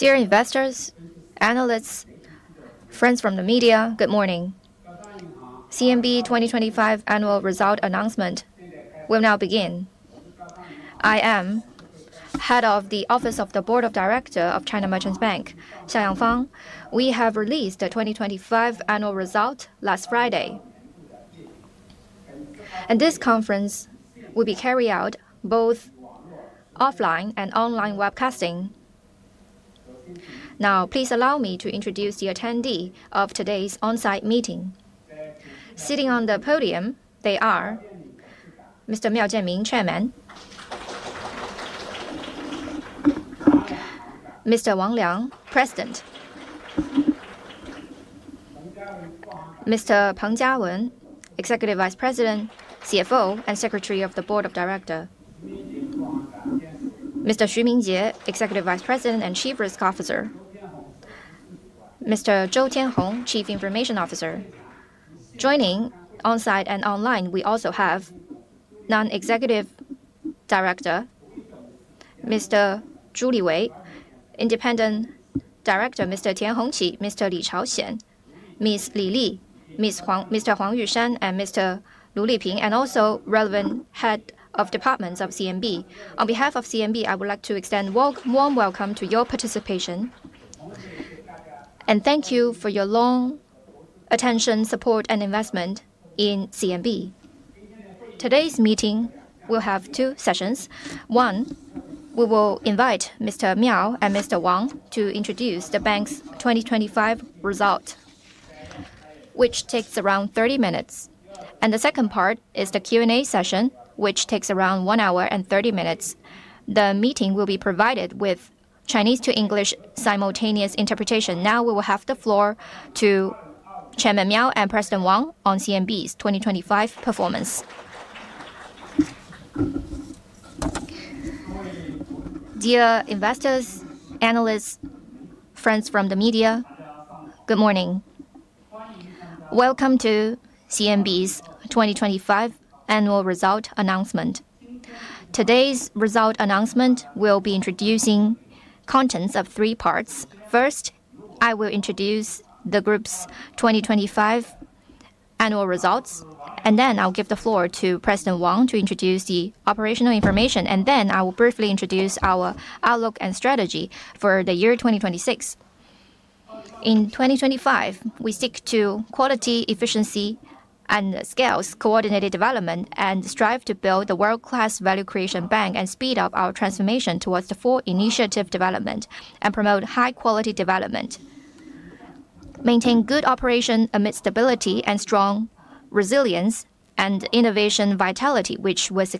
Dear investors, analysts, friends from the media, good morning. CMB 2025 annual result announcement will now begin. I am Head of the Office of the Board of Directors of China Merchants Bank, Xia Yangfang. We have released the 2025 annual result last Friday. This conference will be carried out both offline and online webcasting. Now, please allow me to introduce the attendees of today's on-site meeting. Sitting on the podium, they are Mr. Miao Jianmin, Chairman. Mr. Wang Liang, President. Mr. Peng Jiawen, Executive Vice President, CFO, and Secretary of the Board of Directors. Mr. Xu Mingjie, Executive Vice President and Chief Risk Officer. Mr. Zhou Tianhong, Chief Information Officer. Joining on-site and online, we also have Non-Executive Director, Mr. Zhu Liwei. Independent Director, Mr. Tian Hongqi, Mr. Li Chaoxian, Ms. Li Li, Ms. Huang Yushan. Huang Yushan, and Mr. Lu Liping, and also relevant head of departments of CMB. On behalf of CMB, I would like to extend warm welcome to your participation. Thank you for your long attention, support, and investment in CMB. Today's meeting will have two sessions. One, we will invite Mr. Miao and Mr. Wang to introduce the bank's 2025 result, which takes around 30 minutes. The second part is the Q&A session, which takes around 1 hour and 30 minutes. The meeting will be provided with Chinese to English simultaneous interpretation. Now we will hand the floor to Chairman Miao and President Wang on CMB's 2025 performance. Dear investors, analysts, friends from the media, good morning. Welcome to CMB's 2025 annual result announcement. Today's result announcement will be introducing contents of three parts. First, I will introduce the group's 2025 annual results, and then I'll give the floor to President Wang to introduce the operational information. Then I will briefly introduce our outlook and strategy for the year 2026. In 2025, we stick to quality, efficiency, and scales coordinated development and strive to build the world-class value creation bank and speed up our transformation towards the four initiative development and promote high quality development, maintain good operation amid stability and strong resilience and innovation vitality, which was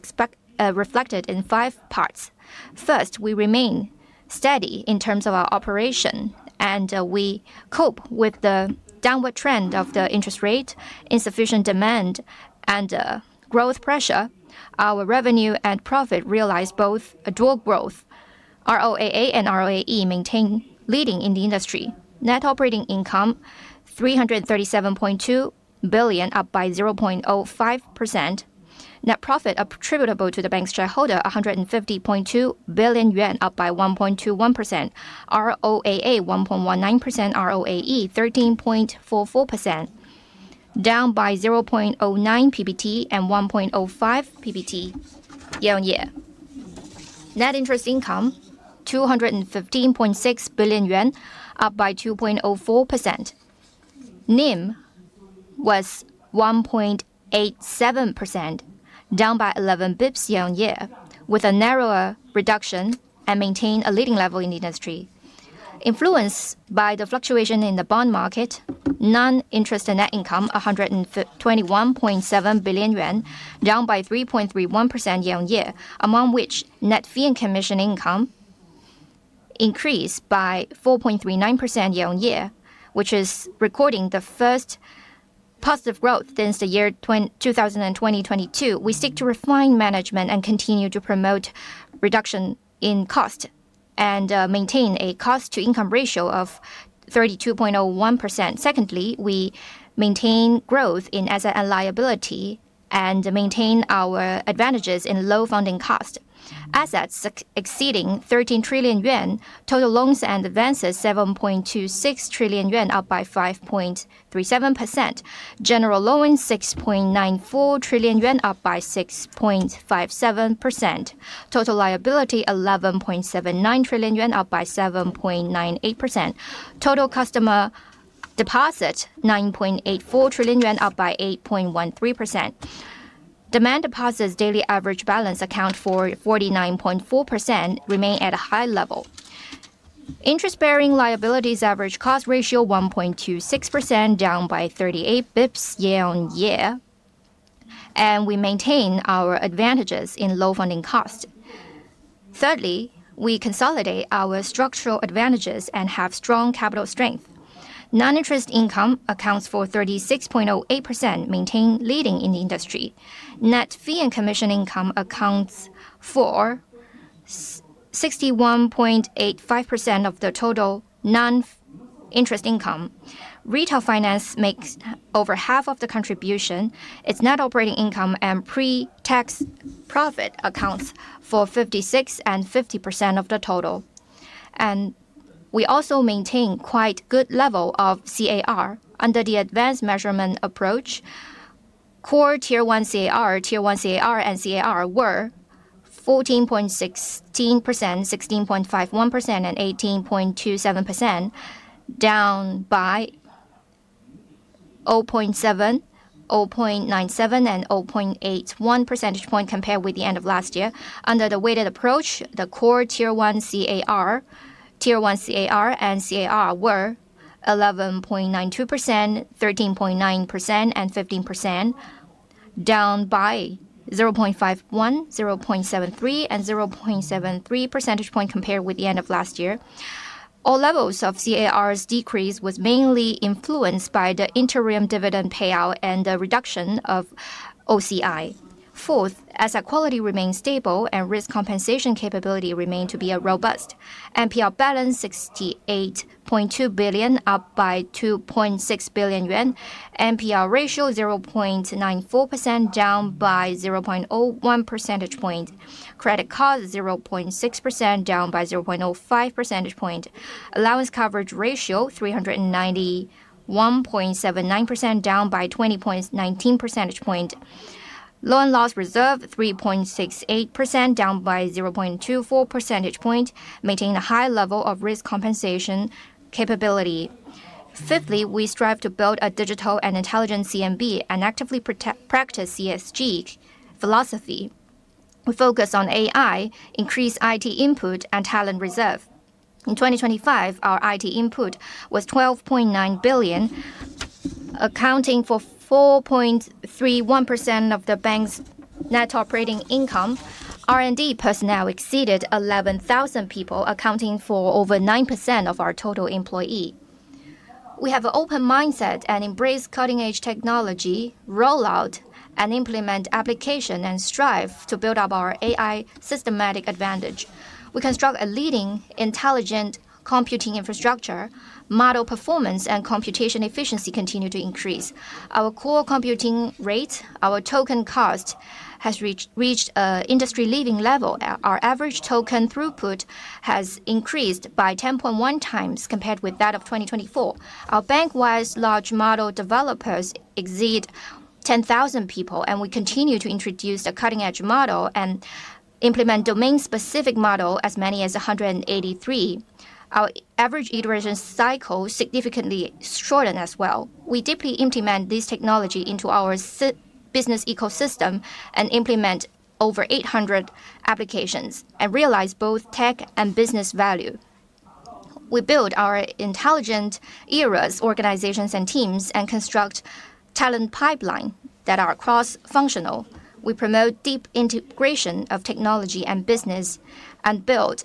reflected in five parts. First, we remain steady in terms of our operation, and we cope with the downward trend of the interest rate, insufficient demand and growth pressure. Our revenue and profit realize both a dual growth. ROAA and ROAE maintain leading in the industry. Net operating income, 337.2 billion, up by 0.05%. Net profit attributable to the bank's shareholder, 150.2 billion yuan, up by 1.21%. ROAA, 1.19%. ROAE, 13.44%, down by 0.09 percentage points and 1.05 percentage points year-on-year. Net interest income, 215.6 billion yuan, up by 2.04%. NIM was 1.87%, down by 11 basis points year-on-year, with a narrower reduction and maintain a leading level in the industry. Influenced by the fluctuation in the bond market, non-interest income, 21.7 billion yuan, down by 3.31% year-on-year. Among which net fee and commission income increased by 4.39% year-on-year, which is recording the first positive growth since the year 2022. We seek to refine management and continue to promote reduction in cost and maintain a cost to income ratio of 32.01%. Secondly, we maintain growth in asset and liability and maintain our advantages in low funding cost. Assets exceeding 13 trillion yuan. Total loans and advances, 7.26 trillion yuan, up by 5.37%. General loan, 6.94 trillion yuan, up by 6.57%. Total liability, 11.79 trillion yuan, up by 7.98%. Total customer deposit, 9.84 trillion yuan, up by 8.13%. Demand deposits daily average balance account for 49.4% remain at a high level. Interest-bearing liabilities average cost ratio 1.26%, down by 38 basis points year-on-year. We maintain our advantages in low funding cost. Thirdly, we consolidate our structural advantages and have strong capital strength. Non-interest income accounts for 36.08% maintain leading in the industry. Net fee and commission income accounts for 61.85% of the total non-interest income. Retail Finance makes over half of the contribution. Its net operating income and pre-tax profit accounts for 56% and 50% of the total. We also maintain quite good level of CAR under the advanced measurement approach. Core Tier 1 CAR, Tier 1 CAR, and CAR were 14.16%, 16.51%, and 18.27%, down by 0.7, 0.97, and 0.81 percentage points compared with the end of last year. Under the weighted approach, the Core Tier 1 CAR, Tier 1 CAR, and CAR were 11.92%, 13.9%, and 15%, down by 0.51, 0.73, and 0.73 percentage points compared with the end of last year. All levels of CAR's decrease was mainly influenced by the interim dividend payout and the reduction of OCI. Fourth, asset quality remains stable and risk compensation capability remains robust. NPL balance 68.2 billion, up by 2.6 billion yuan. NPR ratio 0.94%, down by 0.01 percentage point. Credit card 0.6%, down by 0.05 percentage point. Allowance coverage ratio 391.79%, down by 20.19 percentage point. Loan loss reserve 3.68%, down by 0.24 percentage point, maintaining a high level of risk compensation capability. Fifthly, we strive to build a digital and intelligent CMB and actively practice ESG philosophy. We focus on AI, increase IT input and talent reserve. In 2025, our IT input was 12.9 billion, accounting for 4.31% of the bank's net operating income. R&D personnel exceeded 11,000 people, accounting for over 9% of our total employee. We have an open mindset and embrace cutting-edge technology, rollout, and implement application, and strive to build up our AI systematic advantage. We construct a leading intelligent computing infrastructure. Model performance and computation efficiency continue to increase. Our core computing rate, our token cost, has reached an industry-leading level. Our average token throughput has increased by 10.1x compared with that of 2024. Our bank-wide large model developers exceed 10,000 people, and we continue to introduce the cutting-edge model and implement domain-specific model as many as 183. Our average iteration cycle significantly shortened as well. We deeply implement this technology into our business ecosystem and implement over 800 applications and realize both tech and business value. We build our intelligent era organizations and teams, and construct talent pipeline that are cross-functional. We promote deep integration of technology and business and build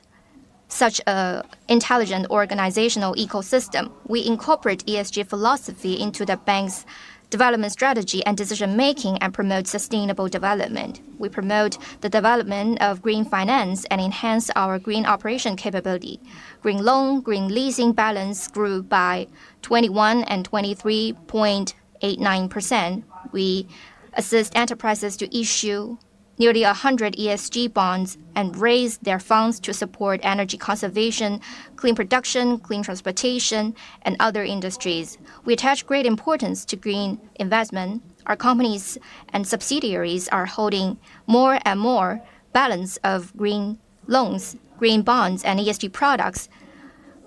such an intelligent organizational ecosystem. We incorporate ESG philosophy into the bank's development strategy and decision-making and promote sustainable development. We promote the development of green finance and enhance our green operation capability. Green loan, green leasing balance grew by 21% and 23.89%. We assist enterprises to issue nearly 100 ESG bonds and raise their funds to support energy conservation, clean production, clean transportation, and other industries. We attach great importance to green investment. Our companies and subsidiaries are holding more and more balance of green loans, green bonds, and ESG products.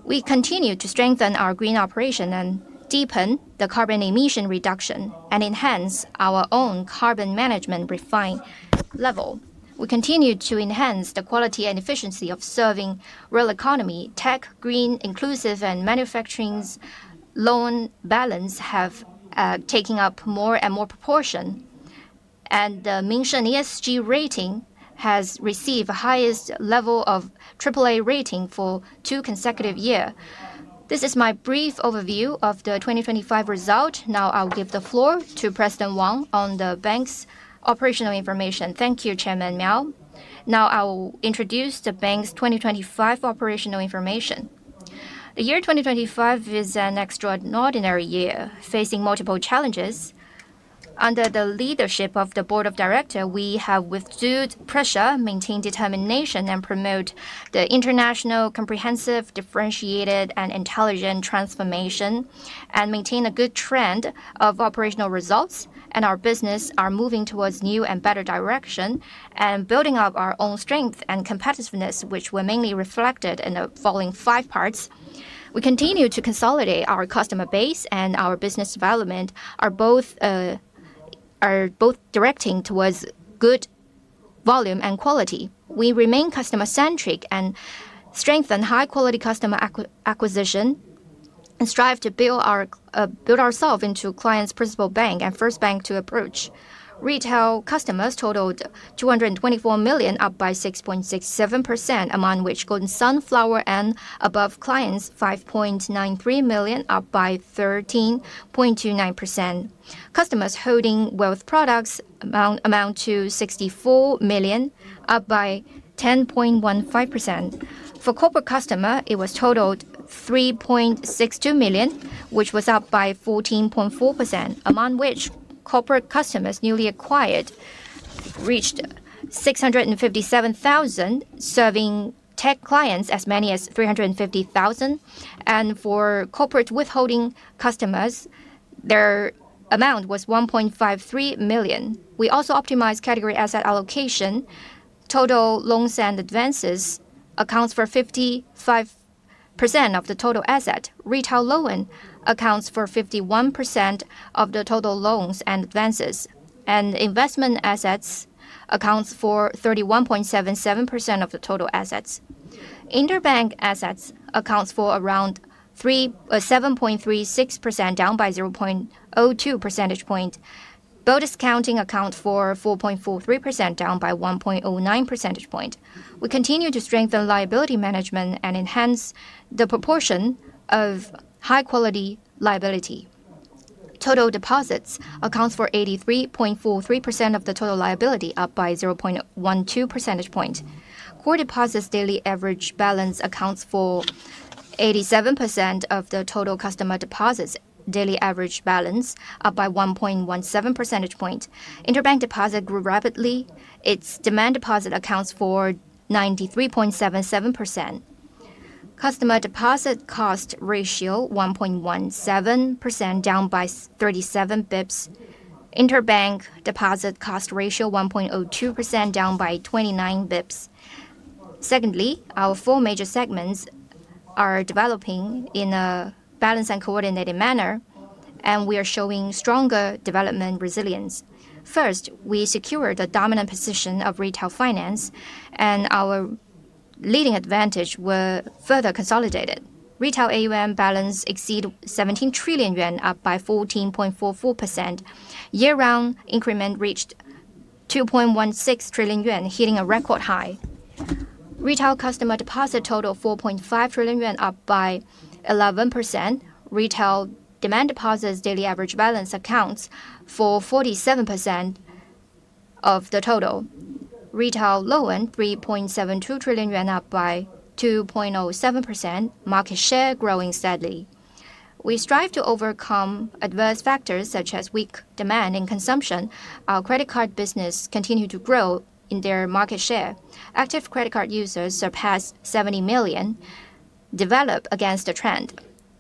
We continue to strengthen our green operation and deepen the carbon emission reduction and enhance our own carbon management refinement level. We continue to enhance the quality and efficiency of serving the real economy. Tech, green, inclusive, and manufacturing's loan balance have taking up more and more proportion. The MSCI ESG rating has received the highest level of AAA rating for two consecutive years. This is my brief overview of the 2025 result. Now I will give the floor to President Wang on the bank's operational information. Thank you, Chairman Miao. Now I will introduce the bank's 2025 operational information. The year 2025 is an extraordinary year, facing multiple challenges. Under the leadership of the Board of director, we have withstood pressure, maintained determination, and promote the international, comprehensive, differentiated, and intelligent transformation, and maintain a good trend of operational results. Our business are moving towards new and better direction and building up our own strength and competitiveness, which were mainly reflected in the following five parts. We continue to consolidate our customer base and our business development are both directing towards good volume and quality. We remain customer-centric and strengthen high-quality customer acquisition and strive to build ourselves into clients' principal bank and first bank to approach. Retail customers totaled 224 million, up by 6.67%, among which Golden Sunflower and above clients 5.93 million, up by 13.29%. Customers holding wealth products amount to 64 million, up by 10.15%. For corporate customer, it totaled 3.62 million, which was up by 14.4%, among which corporate customers newly acquired reached 657,000, serving tech clients as many as 350,000. For corporate withholding customers, their amount was 1.53 million. We also optimized category asset allocation. Total loans and advances accounts for 55% of the total asset. Retail loan accounts for 51% of the total loans and advances. Investment assets accounts for 31.77% of the total assets. Interbank assets accounts for around 7.36%, down by 0.02 percentage point. Bill discounting account for 4.43%, down by 1.09 percentage point. We continue to strengthen liability management and enhance the proportion of high quality liability. Total deposits accounts for 83.43% of the total liability, up by 0.12 percentage point. Core deposits daily average balance accounts for 87% of the total customer deposits. Daily average balance up by 1.17 percentage points. Interbank deposit grew rapidly. Its demand deposit accounts for 93.77%. Customer deposit cost ratio 1.17%, down by 37 basis points. Interbank deposit cost ratio 1.02%, down by 29 basis points. Secondly, our four major segments are developing in a balanced and coordinated manner, and we are showing stronger development resilience. First, we secure the dominant position of Retail Finance and our leading advantage were further consolidated. Retail AUM balance exceeds 17 trillion yuan, up by 14.44%. Year round increment reached 2.16 trillion yuan, hitting a record high. Retail customer deposit total 4.5 trillion yuan, up by 11%. Retail demand deposits daily average balance accounts for 47% of the total. Retail loan 3.72 trillion yuan, up by 2.07%. Market share growing steadily. We strive to overcome adverse factors such as weak demand and consumption. Our credit card business continue to grow in their market share. Active credit card users surpass 70 million, develop against a trend.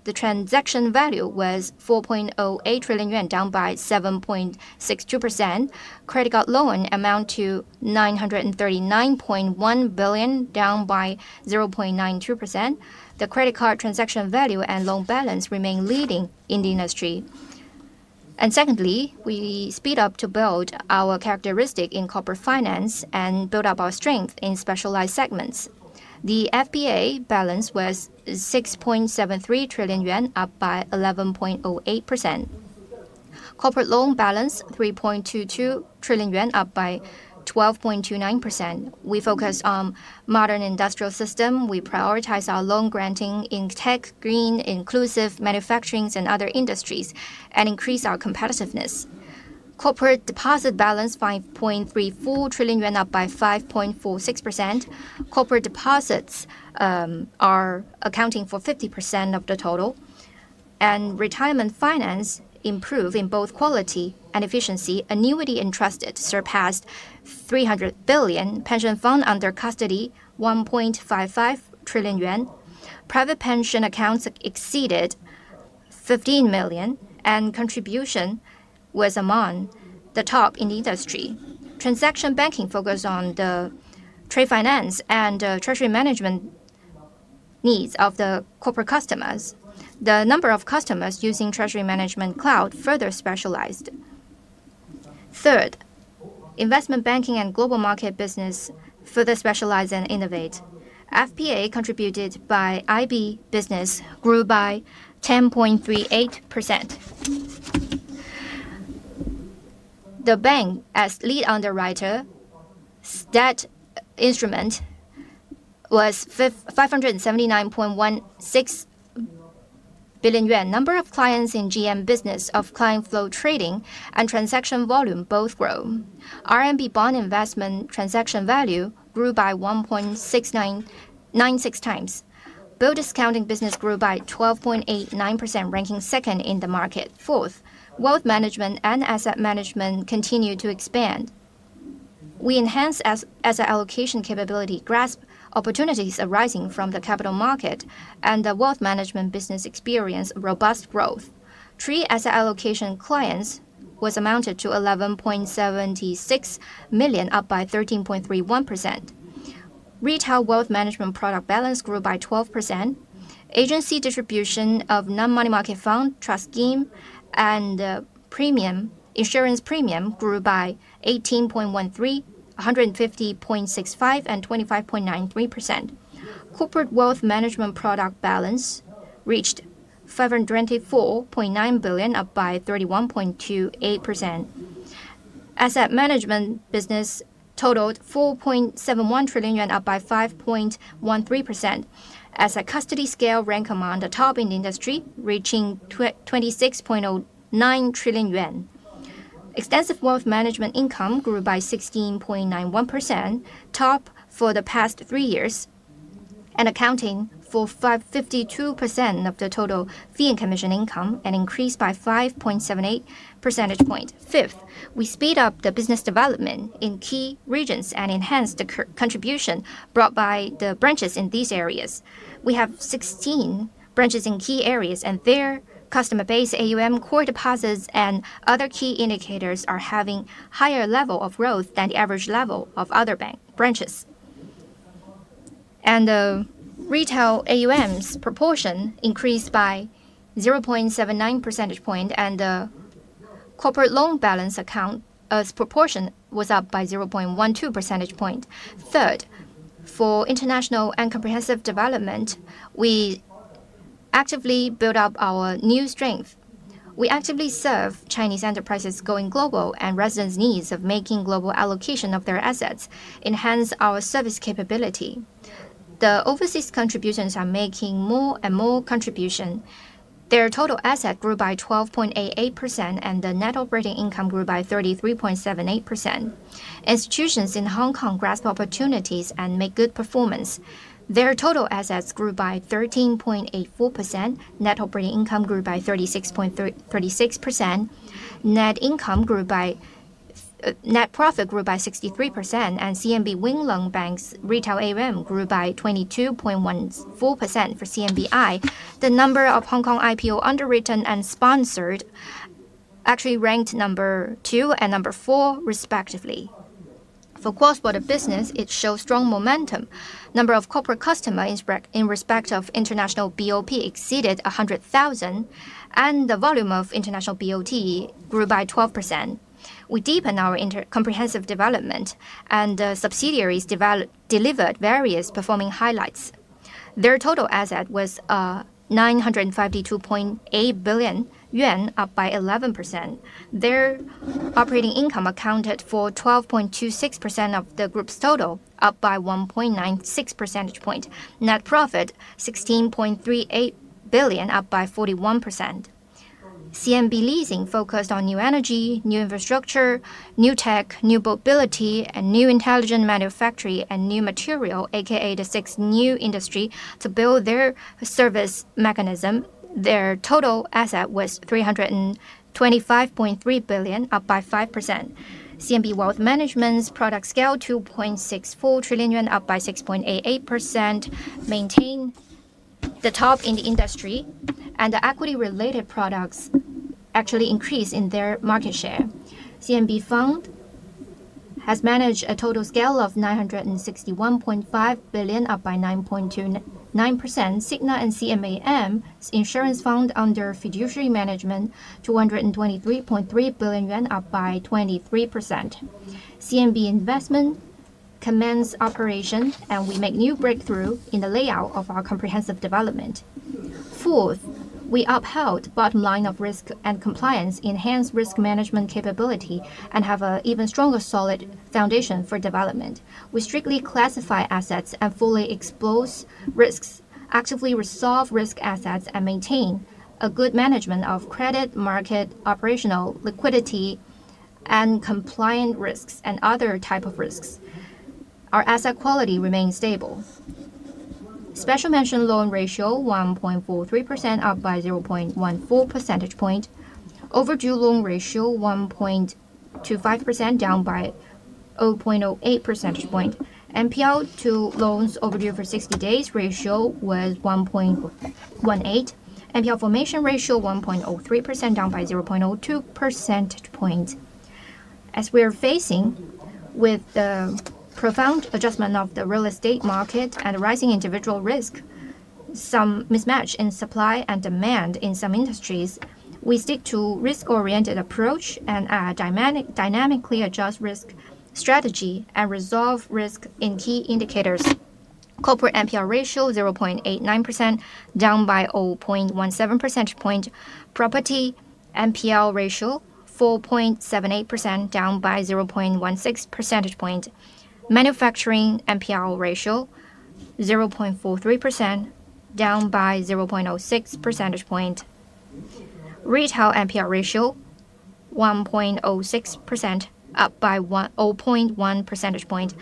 The transaction value was 4.08 trillion yuan, down by 7.62%. Credit card loan amount to 939.1 billion, down by 0.92%. The credit card transaction value and loan balance remain leading in the industry. Secondly, we speed up to build our characteristic in Corporate Finance and build up our strength in specialized segments. The FPA balance was 6.73 trillion yuan, up by 11.08%. Corporate loan balance 3.22 trillion yuan, up by 12.29%. We focus on modern industrial system. We prioritize our loan granting in tech, green, inclusive manufacturings and other industries and increase our competitiveness. Corporate deposit balance 5.34 trillion yuan, up by 5.46%. Corporate deposits are accounting for 50% of the total. Retirement finance improve in both quality and efficiency. Annuity interest surpassed 300 billion. Pension fund under custody 1.55 trillion yuan. Private pension accounts exceeded 15 million, and contribution was among the top in the industry. Transaction banking focus on the trade finance and treasury management needs of the corporate customers. The number of customers using Treasury Management Cloud further specialized. Third, Investment Banking and Global Market business further specialize and innovate. FPA contributed by IB business grew by 10.38%. The bank as lead underwriter issued instruments amounting to 579.16 billion yuan. Number of clients in GM business of client flow trading and transaction volume both grew. RMB bond investment transaction value grew by 1.696x. Bill discounting business grew by 12.89%, ranking second in the market. Fourth, Wealth Management and Asset Management continue to expand. We enhance asset allocation capability, grasp opportunities arising from the capital market and the Wealth Management business experienced robust growth. The number of asset allocation clients amounted to 11.76 million, up by 13.31%. Retail Wealth Management product balance grew by 12%. Agency distribution of non-money market fund, trust scheme and insurance premium grew by 18.13%, 150.65% and 25.93%. Corporate Wealth Management product balance reached 524.9 billion, up by 31.28%. Asset management business totaled 4.71 trillion yuan, up by 5.13%. Our custody scale ranks among the top in the industry, reaching 26.09 trillion yuan. Extensive Wealth Management income grew by 16.91%, top for the past three years, and accounting for 52% of the total fee and commission income, and increased by 5.78 percentage point. Fifth, we speed up the business development in key regions and enhanced the contribution brought by the branches in these areas. We have 16 branches in key areas, and their customer base, AUM core deposits and other key indicators are having higher level of growth than the average level of other bank branches. Retail AUM's proportion increased by 0.79 percentage point, and corporate loan balance account, its proportion was up by 0.12 percentage point. Third, for international and comprehensive development, we actively build up our new strength. We actively serve Chinese enterprises going global and residents' needs of making global allocation of their assets, enhance our service capability. The overseas contributions are making more and more contribution. Their total asset grew by 12.88% and the net operating income grew by 33.78%. Institutions in Hong Kong grasp opportunities and make good performance. Their total assets grew by 13.84%. Net operating income grew by 36%. Net profit grew by 63%, and CMB Wing Lung Bank's retail AUM grew by 22.14% for CMBI. The number of Hong Kong IPO underwritten and sponsored actually ranked number two and number four respectively. For cross-border business, it shows strong momentum. Number of corporate customer, in respect of international BOP, exceeded 100,000, and the volume of international BOP grew by 12%. We deepen our comprehensive development and subsidiaries delivered various performing highlights. Their total asset was 952.8 billion yuan, up by 11%. Their operating income accounted for 12.26% of the group's total, up by 1.96 percentage point. Net profit 16.38 billion RMB, up by 41%. CMB Leasing focused on new energy, new infrastructure, new tech, new mobility and new intelligent manufacturing and new material, AKA the six new industry, to build their service mechanism. Their total asset was 325.3 billion, up by 5%. CMB Wealth Management's product scale 2.64 trillion yuan, up by 6.88%, maintain the top in the industry, and the equity-related products actually increased in their market share. CMB Fund has managed a total scale of 961.5 billion, up by 9.29%. Cigna & CMB insurance fund under fiduciary management 223.3 billion yuan, up by 23%. CMB Investment commenced operation, and we make new breakthrough in the layout of our comprehensive development. Fourth, we upheld bottom line of risk and compliance, enhanced risk management capability, and have an even stronger solid foundation for development. We strictly classify assets and fully expose risks, actively resolve risk assets, and maintain a good management of credit, market, operational, liquidity and compliance risks and other type of risks. Our asset quality remains stable. Special mention loan ratio 1.43%, up by 0.14 percentage point. Overdue loan ratio 1.25%, down by 0.08 percentage point. NPL to loans overdue for 60 days ratio was 1.18. NPL formation ratio 1.03%, down by 0.02 percentage point. As we are facing with the profound adjustment of the real estate market and rising individual risk, some mismatch in supply and demand in some industries, we stick to risk-oriented approach and dynamically adjust risk strategy and resolve risk in key indicators. Corporate NPL ratio 0.89%, down by 0.17 percentage point. Property NPL ratio 4.78%, down by 0.16 percentage point. Manufacturing NPL ratio 0.43%, down by 0.06 percentage point. Retail NPL ratio 1.06%, up by 0.1 percentage point.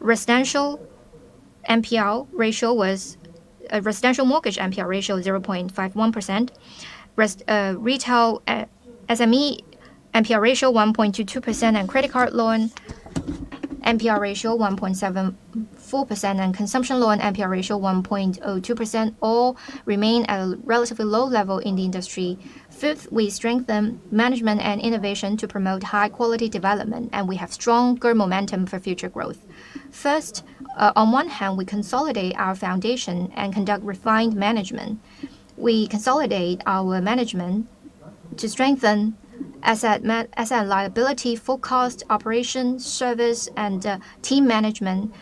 Residential mortgage NPL ratio 0.51%. Retail SME NPL ratio 1.22%, and credit card loan NPL ratio 1.74%, and consumption loan NPL ratio 1.02%, all remain at a relatively low level in the industry. Fifth, we strengthen management and innovation to promote high quality development, and we have stronger momentum for future growth. First, on one hand, we consolidate our foundation and conduct refined management. We consolidate our management to strengthen asset liability, full cost, operations, service and team management,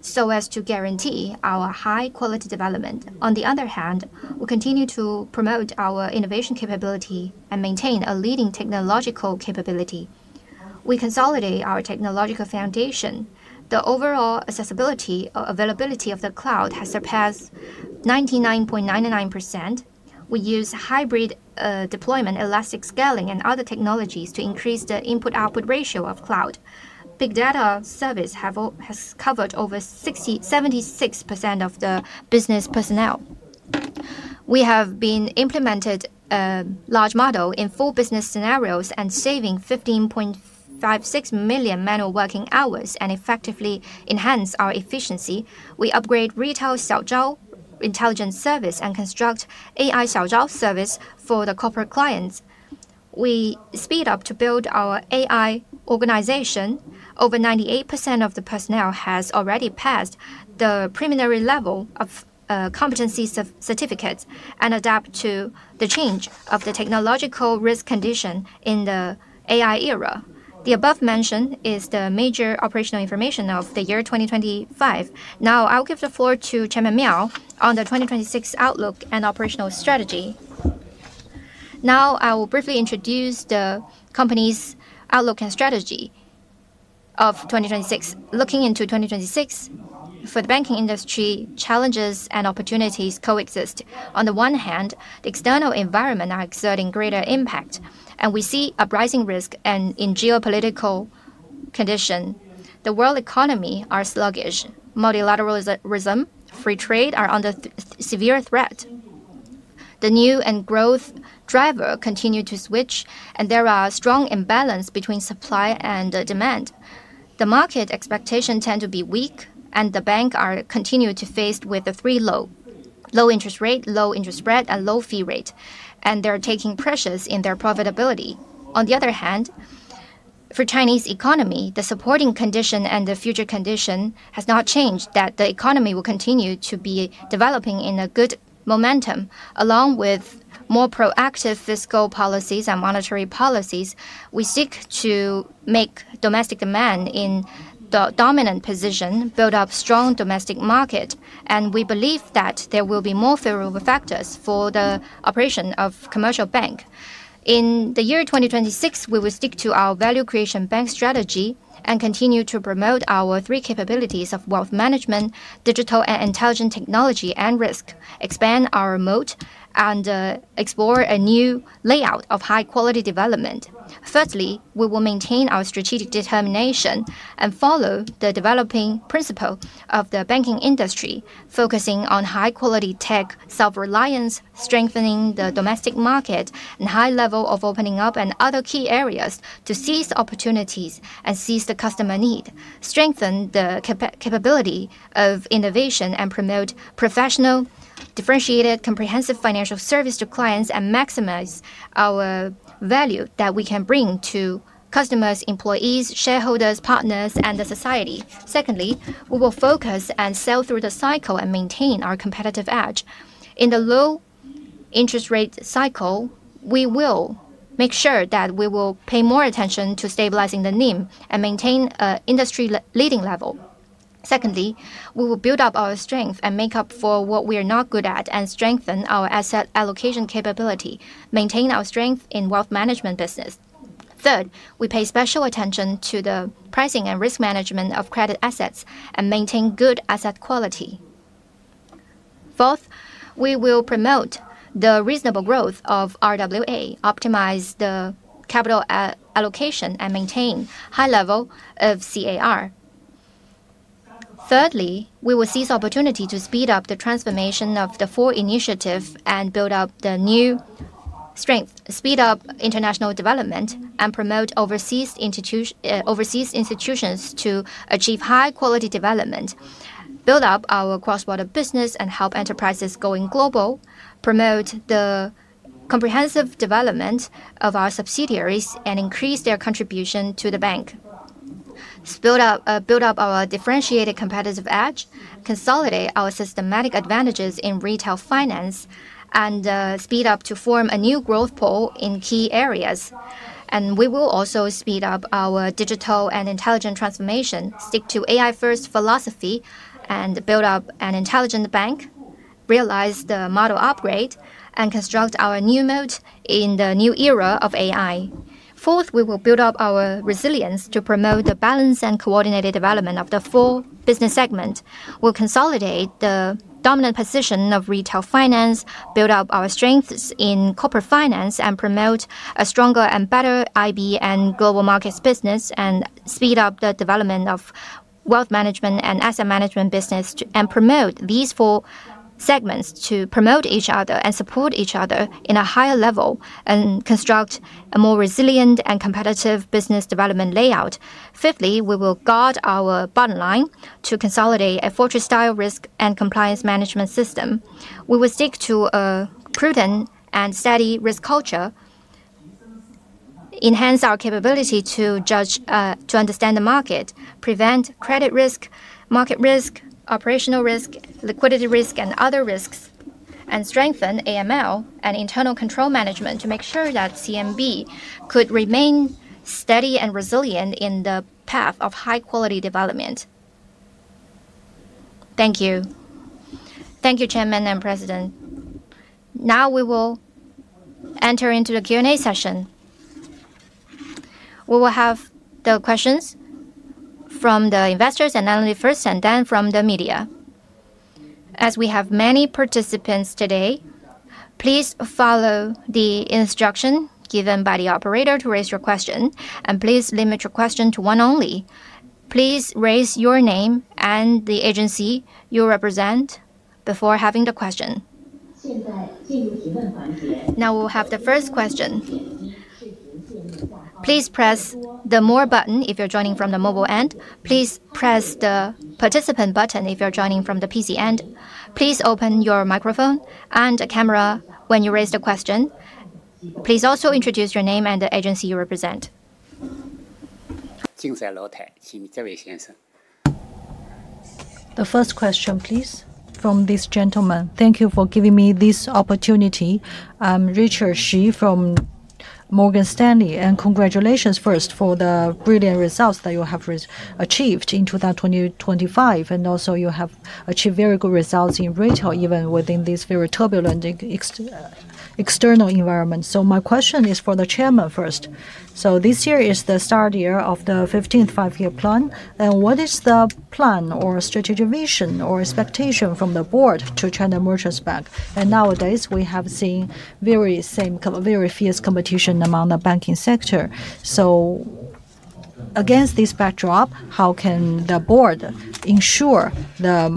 so as to guarantee our high quality development. On the other hand, we continue to promote our innovation capability and maintain a leading technological capability. We consolidate our technological foundation. The overall availability of the cloud has surpassed 99.99%. We use hybrid deployment, elastic scaling, and other technologies to increase the input/output ratio of cloud. Big data service has covered over 76% of the business personnel. We have implemented a large model in four business scenarios and saving 15.56 million manual working hours and effectively enhance our efficiency. We upgrade retail Xiaozhao intelligence service and construct AI Xiaozhao service for the corporate clients. We speed up to build our AI organization. Over 98% of the personnel has already passed the preliminary level of competency certificates and adapt to the change of the technological risk condition in the AI era. The above mention is the major operational information of the year 2025. Now I'll give the floor to Chairman Miao on the 2026 outlook and operational strategy. Now I will briefly introduce the company's outlook and strategy of 2026. Looking into 2026, for the banking industry, challenges and opportunities coexist. On the one hand, the external environment are exerting greater impact, and we see rising risk and in geopolitical condition. The world economy are sluggish. Multilateralism, free trade are under the severe threat. The new and growth driver continue to switch, and there are strong imbalance between supply and demand. The market expectation tend to be weak, and the bank are continue to faced with the three low: low interest rate, low interest spread, and low fee rate, and they're taking pressures in their profitability. On the other hand, for Chinese economy, the supporting condition and the future condition has not changed, that the economy will continue to be developing in a good momentum. Along with more proactive fiscal policies and monetary policies, we seek to make domestic demand in the dominant position, build up strong domestic market, and we believe that there will be more favorable factors for the operation of commercial bank. In the year 2026, we will stick to our value creation bank strategy and continue to promote our three capabilities of Wealth Management, digital and intelligent technology, and risk, expand our moat, and explore a new layout of high quality development. Firstly, we will maintain our strategic determination and follow the developing principle of the banking industry, focusing on high quality tech, self-reliance, strengthening the domestic market and high level of opening up and other key areas to seize opportunities and seize the customer need. Strengthen the capability of innovation and promote professional, differentiated, comprehensive financial service to clients and maximize our value that we can bring to customers, employees, shareholders, partners, and the society. Secondly, we will focus and sail through the cycle and maintain our competitive edge. In the low interest rate cycle, we will make sure that we will pay more attention to stabilizing the NIM and maintain an industry-leading level. Secondly, we will build up our strength and make up for what we are not good at and strengthen our asset allocation capability, maintain our strength in Wealth Management business. Third, we pay special attention to the pricing and risk management of credit assets and maintain good asset quality. Fourth, we will promote the reasonable growth of RWA, optimize the capital allocation, and maintain high level of CAR. Thirdly, we will seize opportunity to speed up the transformation of the four initiative and build up the new strength, speed up international development, and promote overseas institutions to achieve high quality development, build up our cross-border business, and help enterprises going global, promote the comprehensive development of our subsidiaries and increase their contribution to the bank. Build up our differentiated competitive edge, consolidate our systematic advantages in Retail Finance, and speed up to form a new growth pole in key areas. We will also speed up our digital and intelligent transformation, stick to AI first philosophy and build up an intelligent bank, realize the model upgrade, and construct our new moat in the new era of AI. Fourth, we will build up our resilience to promote the balance and coordinated development of the four business segments. We'll consolidate the dominant position of Retail Finance, build up our strengths in Corporate Finance, and promote a stronger and better IB and Global Markets business, and speed up the development of Wealth Management and Asset Management business to promote these four segments to promote each other and support each other in a higher level and construct a more resilient and competitive business development layout. Fifthly, we will guard our bottom line to consolidate a fortress-style risk and compliance management system. We will stick to a prudent and steady risk culture, enhance our capability to understand the market, prevent credit risk, market risk, operational risk, liquidity risk, and other risks, and strengthen AML and internal control management to make sure that CMB could remain steady and resilient in the path of high quality development. Thank you. Thank you, Chairman and President. Now we will enter into the Q&A session. We will have the questions from the investors and analysts first, and then from the media. As we have many participants today, please follow the instruction given by the operator to raise your question, and please limit your question to one only. Please raise your name and the agency you represent before having the question. Now we'll have the first question. Please press the More button if you're joining from the mobile end. Please press the Participant button if you're joining from the PC end. Please open your microphone and camera when you raise the question. Please also introduce your name and the agency you represent. The first question, please, from this gentleman. Thank you for giving me this opportunity. I'm Richard Xu from Morgan Stanley. Congratulations first for the brilliant results that you have achieved in 2025, and also you have achieved very good results in retail even within this very turbulent external environment. My question is for the Chairman first. This year is the start year of the 15th Five-Year Plan, what is the plan or strategic vision or expectation from the Board to China Merchants Bank? Nowadays we have seen very fierce competition among the banking sector. Against this backdrop, how can the Board ensure the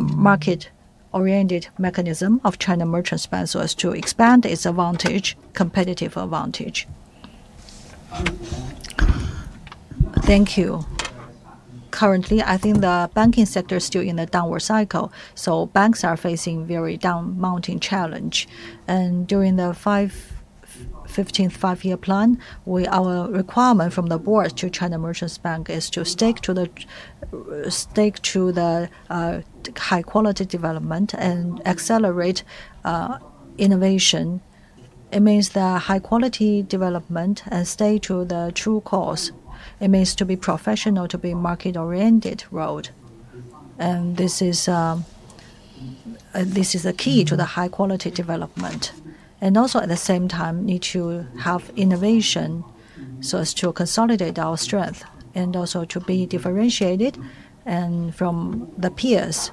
market-oriented mechanism of China Merchants Bank so as to expand its advantage, competitive advantage? Thank you. Currently, I think the banking sector is still in a downward cycle, so banks are facing very daunting challenge. During the 15th Five-Year Plan, our requirement from the Board to China Merchants Bank is to stick to the high quality development and accelerate innovation. It means that high quality development and stay to the true course. It means to be professional, to be market-oriented road. This is the key to the high quality development. Also at the same time need to have innovation so as to consolidate our strength, and also to be differentiated from the peers,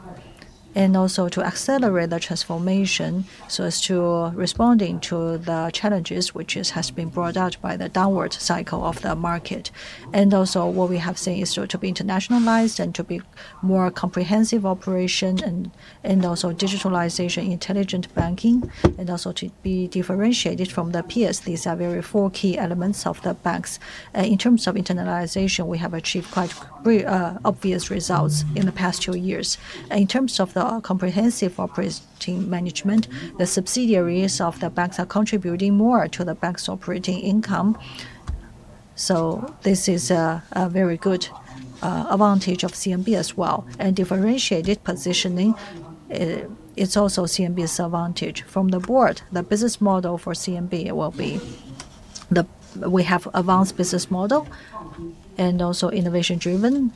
and also to accelerate the transformation so as to respond to the challenges which has been brought out by the downward cycle of the market. What we have seen is to be internationalized and to be more comprehensive operation and also digitalization, intelligent banking, and also to be differentiated from the peers. These are four very key elements of the banks. In terms of internationalization, we have achieved quite obvious results in the past two years. In terms of the comprehensive operating management, the subsidiaries of the banks are contributing more to the bank's operating income. This is a very good advantage of CMB as well. Differentiated positioning, it's also CMB's advantage. From the Board, the business model for CMB will be advanced business model and also innovation driven,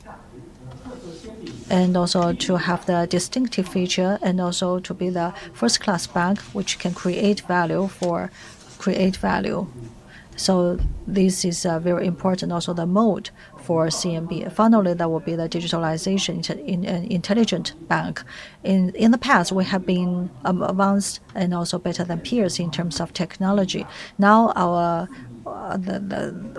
and also to have the distinctive feature and also to be the first class bank which can create value. This is very important, also the mode for CMB. Finally, there will be the digitalization intelligent bank. In the past, we have been advanced and also better than peers in terms of technology. Now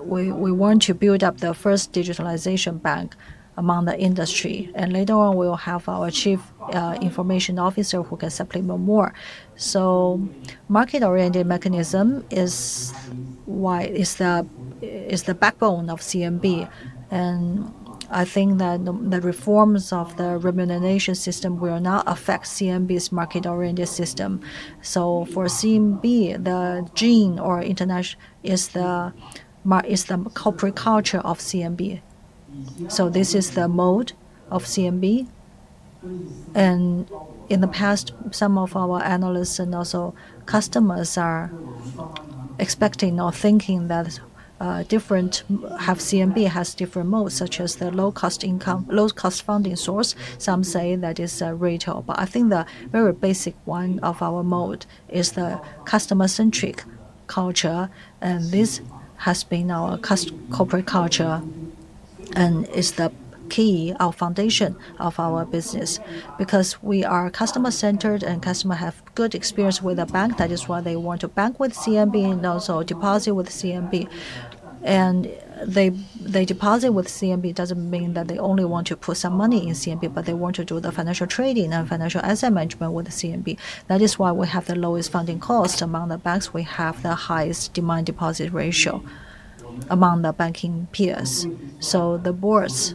we want to build up the first digitalization bank among the industry, and later on we'll have our Chief Information Officer who can supplement more. Market-oriented mechanism is the backbone of CMB, and I think that the reforms of the remuneration system will not affect CMB's market-oriented system. For CMB, the gene of international is the corporate culture of CMB. This is the mode of CMB. In the past, some of our analysts and also customers are expecting or thinking that CMB has different modes, such as the low-cost income, low-cost funding source. Some say that it's retail. I think the very basic one of our mode is the customer-centric culture, and this has been our corporate culture and is the key, our foundation of our business. Because we are customer-centered and customer have good experience with the bank, that is why they want to bank with CMB and also deposit with CMB. They deposit with CMB doesn't mean that they only want to put some money in CMB, but they want to do the financial trading and financial Asset Management with CMB. That is why we have the lowest funding cost. Among the banks, we have the highest demand deposit ratio among the banking peers. The board's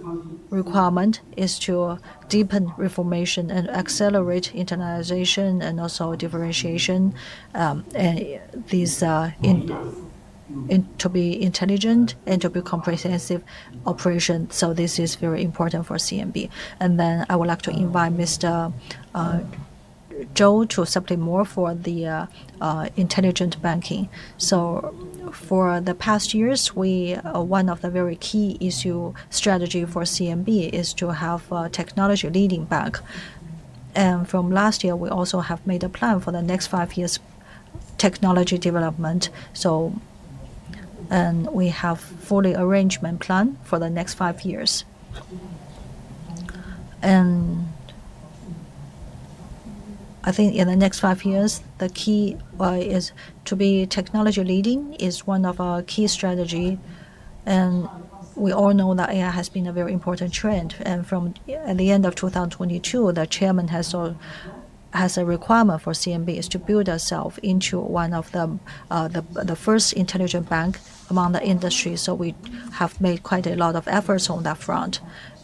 requirement is to deepen reformation and accelerate internationalization and also differentiation, to be intelligent and to be comprehensive operation. This is very important for CMB. I would like to invite Mr. Zhou to supplement more for the intelligent banking. For the past years, we one of the very key issue strategy for CMB is to have a technology leading bank. From last year, we also have made a plan for the next five years' technology development. We have fully arrangement plan for the next five years. I think in the next five years, the key is to be technology leading is one of our key strategy. We all know that AI has been a very important trend. From at the end of 2022, the Chairman has a requirement for CMB is to build ourself into one of the the first intelligent bank among the industry. We have made quite a lot of efforts on that front.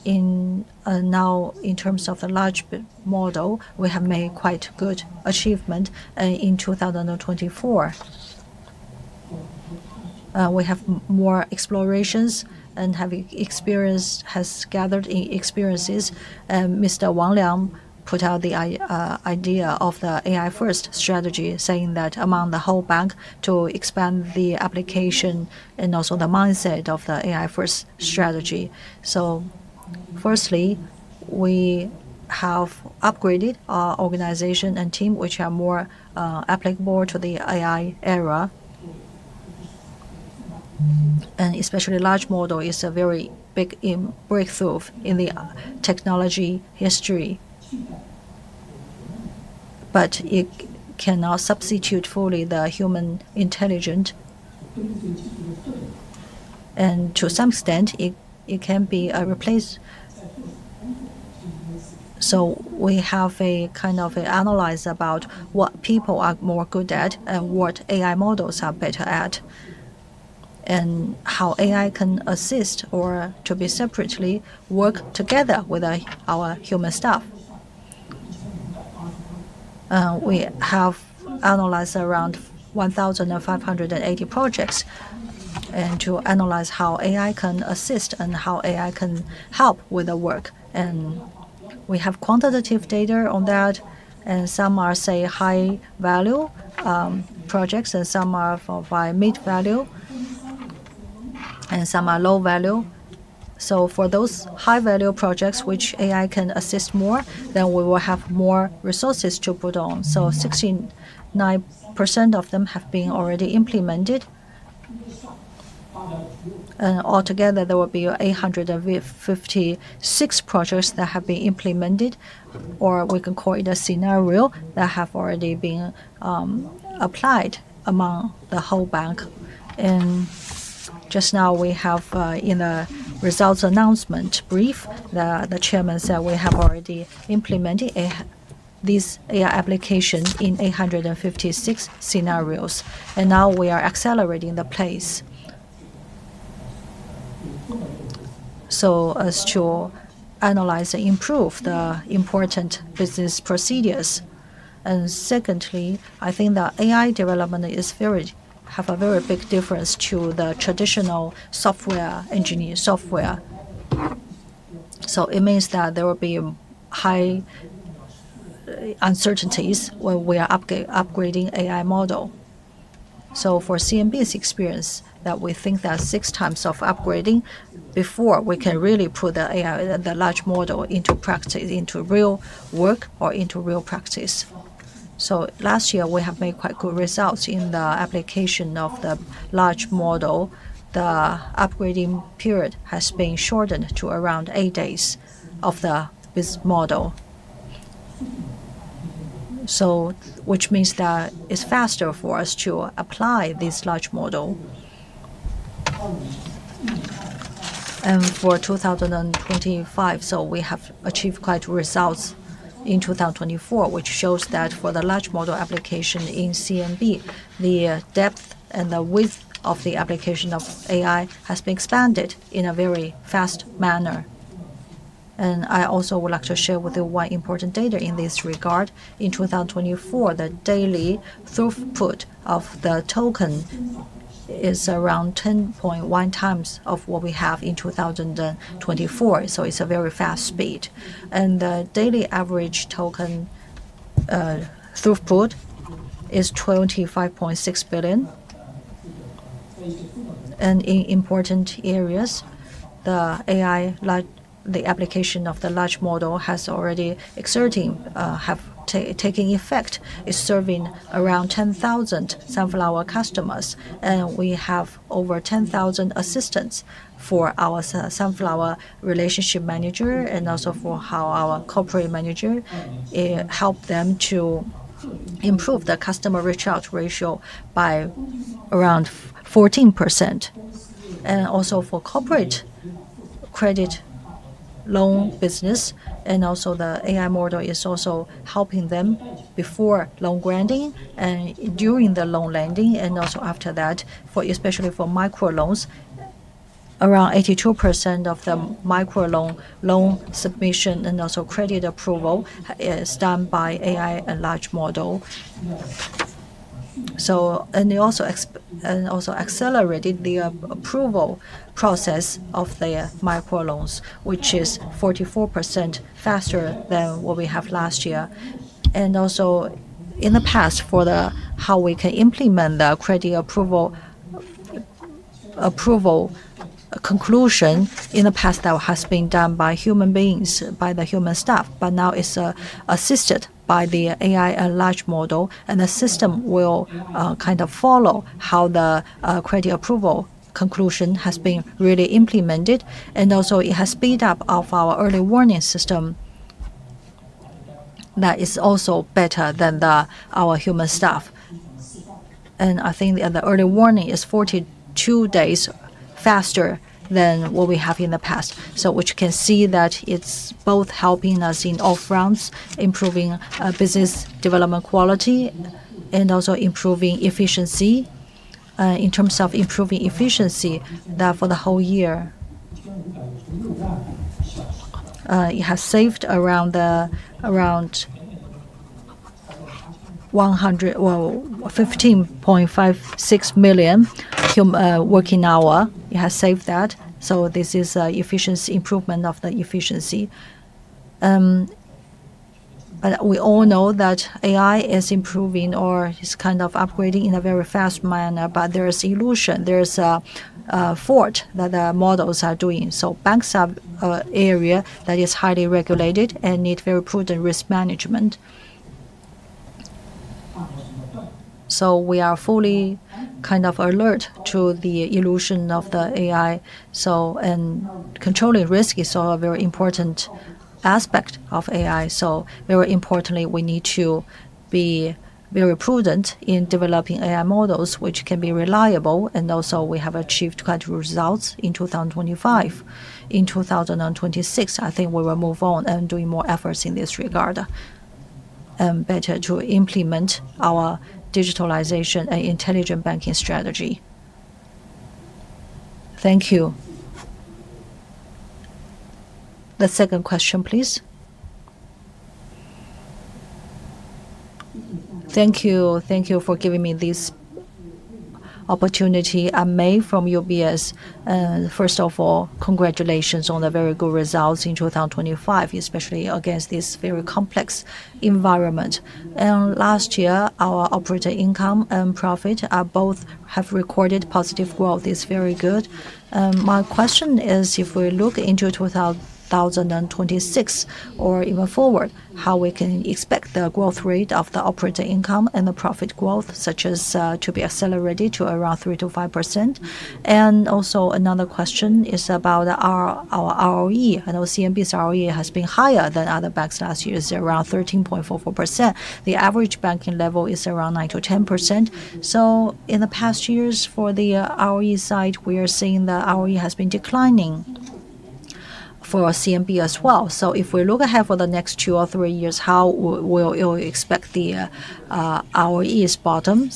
Now, in terms of the large model, we have made quite good achievement in 2024. We have more explorations and have experience, has gathered experiences. Mr. Wang Liang put out the idea of the AI-first strategy, saying that among the whole bank to expand the application and also the mindset of the AI-first strategy. Firstly, we have upgraded our organization and team, which are more applicable to the AI era. Especially large model is a very big breakthrough in the technology history. It cannot substitute fully the human intelligence. To some extent, it can be replaced. We have a kind of analysis about what people are more good at and what AI models are better at, and how AI can assist or to be separately work together with our human staff. We have analyzed around 1,580 projects, and to analyze how AI can assist and how AI can help with the work. We have quantitative data on that, and some are, say, high value projects, and some are for mid value, and some are low value. For those high value projects which AI can assist more, then we will have more resources to put on. 69% of them have been already implemented. Altogether, there will be 856 projects that have been implemented, or we can call it a scenario that have already been applied among the whole bank. Just now we have in the results announcement brief, the Chairman said we have already implemented AI, this AI application in 856 scenarios. Now we are accelerating the pace to analyze and improve the important business procedures. Secondly, I think the AI development is very have a very big difference to the traditional software engineer software. It means that there will be high uncertainties when we are upgrading AI model. For CMB's experience that we think there are 6x of upgrading before we can really put the AI, the large model into practice, into real work or into real practice. Last year we have made quite good results in the application of the large model. The upgrading period has been shortened to around eight days of the business model. Which means that it's faster for us to apply this large model. For 2025, we have achieved quite results in 2024, which shows that for the large model application in CMB, the depth and the width of the application of AI has been expanded in a very fast manner. I also would like to share with you one important data in this regard. In 2024, the daily throughput of the token is around 10.1x of what we have in 2024. It's a very fast speed. The daily average token throughput is 25.6 billion. In important areas, the application of the large model has already been exerting effect, is serving around 10,000 Sunflower customers. We have over 10,000 assistants for our Sunflower relationship manager, and also for our corporate manager, help them to improve the customer reach out ratio by around 14%. Also for corporate credit loan business, the AI model is helping them before loan granting and during the loan lending and also after that, especially for microloans. Around 82% of the microloan loan submission and credit approval is done by AI and large model. They also accelerated the approval process of the microloans, which is 44% faster than what we have last year. In the past, for how we can implement the credit approval conclusion in the past that has been done by human beings, by the human staff, but now it's assisted by the AI large model, and the system will kind of follow how the credit approval conclusion has been really implemented, and also it has speed up of our early warning system that is also better than our human staff. I think the early warning is 42 days faster than what we have in the past. Which you can see that it's both helping us in all fronts, improving business development quality, and also improving efficiency. In terms of improving efficiency, for the whole year, it has saved around 15.56 million working hour, it has saved that. This is an efficiency improvement of the efficiency. We all know that AI is improving or is kind of upgrading in a very fast manner, but there is hallucination, there is a fault that the models are doing. Banks are an area that is highly regulated and need very prudent risk management. We are fully kind of alert to the hallucination of the AI, and controlling risk is a very important aspect of AI. Very importantly we need to be very prudent in developing AI models which can be reliable, and also we have achieved quite results in 2025. In 2026, I think we will move on and doing more efforts in this regard, better to implement our digitalization and intelligent banking strategy. Thank you. The second question please. Thank you. Thank you for giving me this opportunity. I'm Mei from UBS. First of all, congratulations on the very good results in 2025, especially against this very complex environment. Last year, our operating income and profit both have recorded positive growth. It's very good. My question is, if we look into 2026 or even forward, how we can expect the growth rate of the operating income and the profit growth, such as to be accelerated to around 3%-5%? Another question is about our ROE. I know CMB's ROE has been higher than other banks last year. It's around 13.44%. The average banking level is around 9%-10%. In the past years for the ROE side, we are seeing the ROE has been declining for CMB as well. If we look ahead for the next two or three years, how will you expect the ROE's bottom?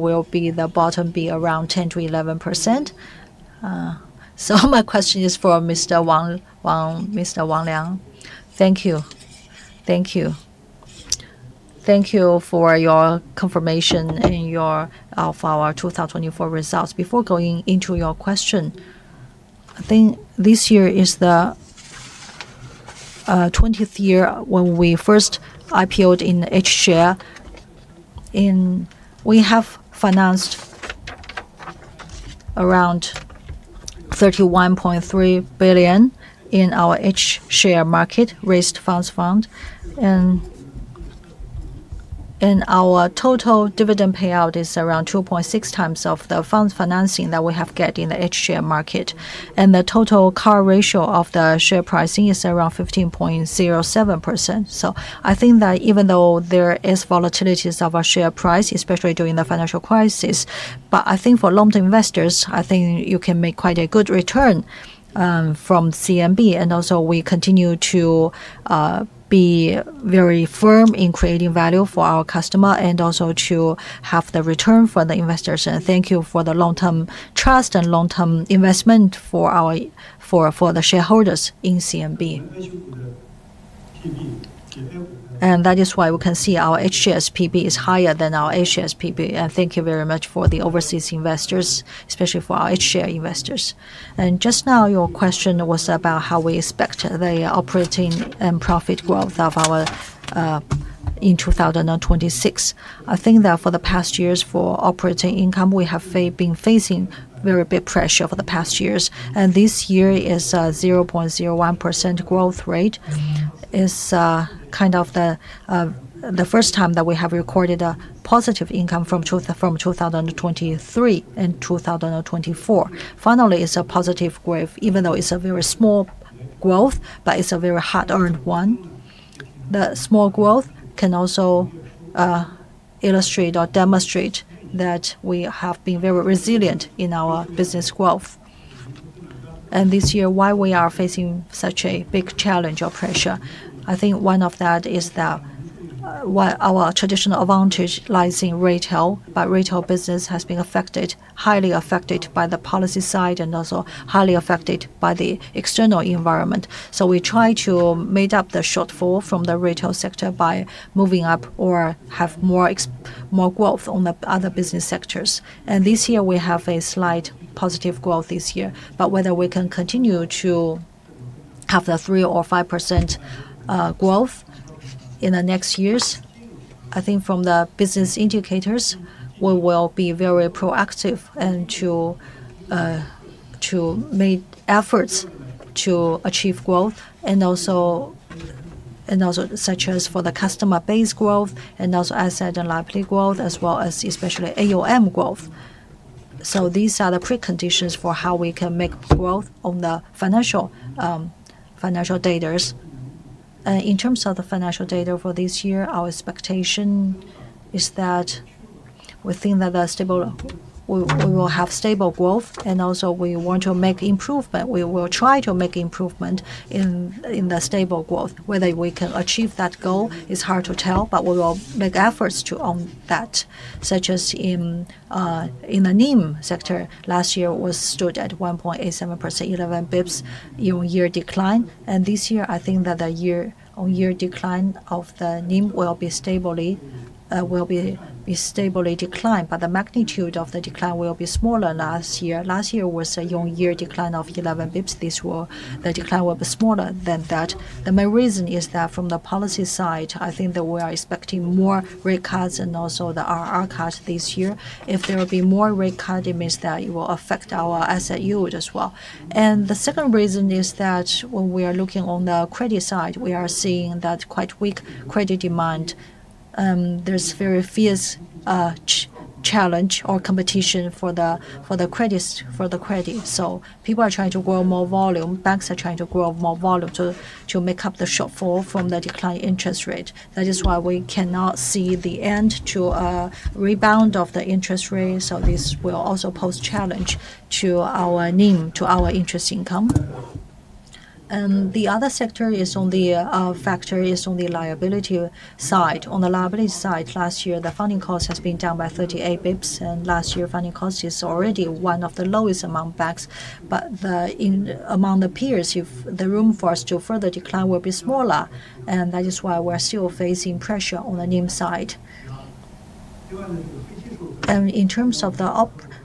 Will the bottom be around 10%-11%? My question is for Mr. Wang Liang. Thank you for your confirmation of our 2024 results. Before going into your question, I think this year is the 20th year when we first IPO'd in H-share. We have financed around 31.3 billion in our H-share market, raised first fund. Our total dividend payout is around 2.6x of the funds financing that we have got in the H-share market. The total CAR ratio of the share pricing is around 15.07%. I think that even though there is volatilities of our share price, especially during the financial crisis, but I think for long-term investors, I think you can make quite a good return from CMB. We also continue to be very firm in creating value for our customer and also to have the return for the investors. Thank you for the long-term trust and long-term investment for our shareholders in CMB. That is why we can see our H-shares P/B is higher than our A-shares P/B. Thank you very much for the overseas investors, especially for our H-share investors. Just now your question was about how we expect the operating and profit growth of our in 2026. I think that for the past years for operating income, we have been facing very big pressure over the past years. This year is 0.01% growth rate. It's kind of the first time that we have recorded a positive income from 2023 and 2024. Finally, it's a positive growth even though it's a very small growth, but it's a very hard-earned one. The small growth can also illustrate or demonstrate that we have been very resilient in our business growth. This year, why we are facing such a big challenge or pressure, I think one of that is that our traditional advantage lies in retail, but retail business has been affected, highly affected by the policy side and also highly affected by the external environment. We try to make up the shortfall from the retail sector by moving up or have more growth on the other business sectors. This year we have a slight positive growth this year. Whether we can continue to have the 3% or 5% growth in the next years. I think from the business indicators, we will be very proactive and to make efforts to achieve growth and also such as for the customer base growth, and also asset and liability growth, as well as especially AUM growth. These are the preconditions for how we can make growth on the financial data. In terms of the financial data for this year, our expectation is that within the stable we will have stable growth and also we want to make improvement. We will try to make improvement in the stable growth. Whether we can achieve that goal is hard to tell, but we will make efforts to on that. Such as in the NIM sector. Last year stood at 1.87%, 11 basis points year-on-year decline. This year, I think that the year-on-year decline of the NIM will stably decline, but the magnitude of the decline will be smaller last year. Last year was a year-on-year decline of 11 basis points. This year, the decline will be smaller than that. The main reason is that from the policy side, I think that we are expecting more rate cuts and also the RRR cut this year. If there will be more rate cut, it means that it will affect our asset yield as well. The second reason is that when we are looking on the credit side, we are seeing that quite weak credit demand. There's very fierce challenge or competition for the credit. So people are trying to grow more volume. Banks are trying to grow more volume to make up the shortfall from the declined interest rate. That is why we cannot see the end to a rebound of the interest rate, so this will also pose challenge to our NIM, to our interest income. The other factor is on the liability side. On the liability side, last year, the funding cost has been down by 38 basis points, and last year funding cost is already one of the lowest among banks. Among the peers, the room for us to further decline will be smaller, and that is why we are still facing pressure on the NIM side. In terms of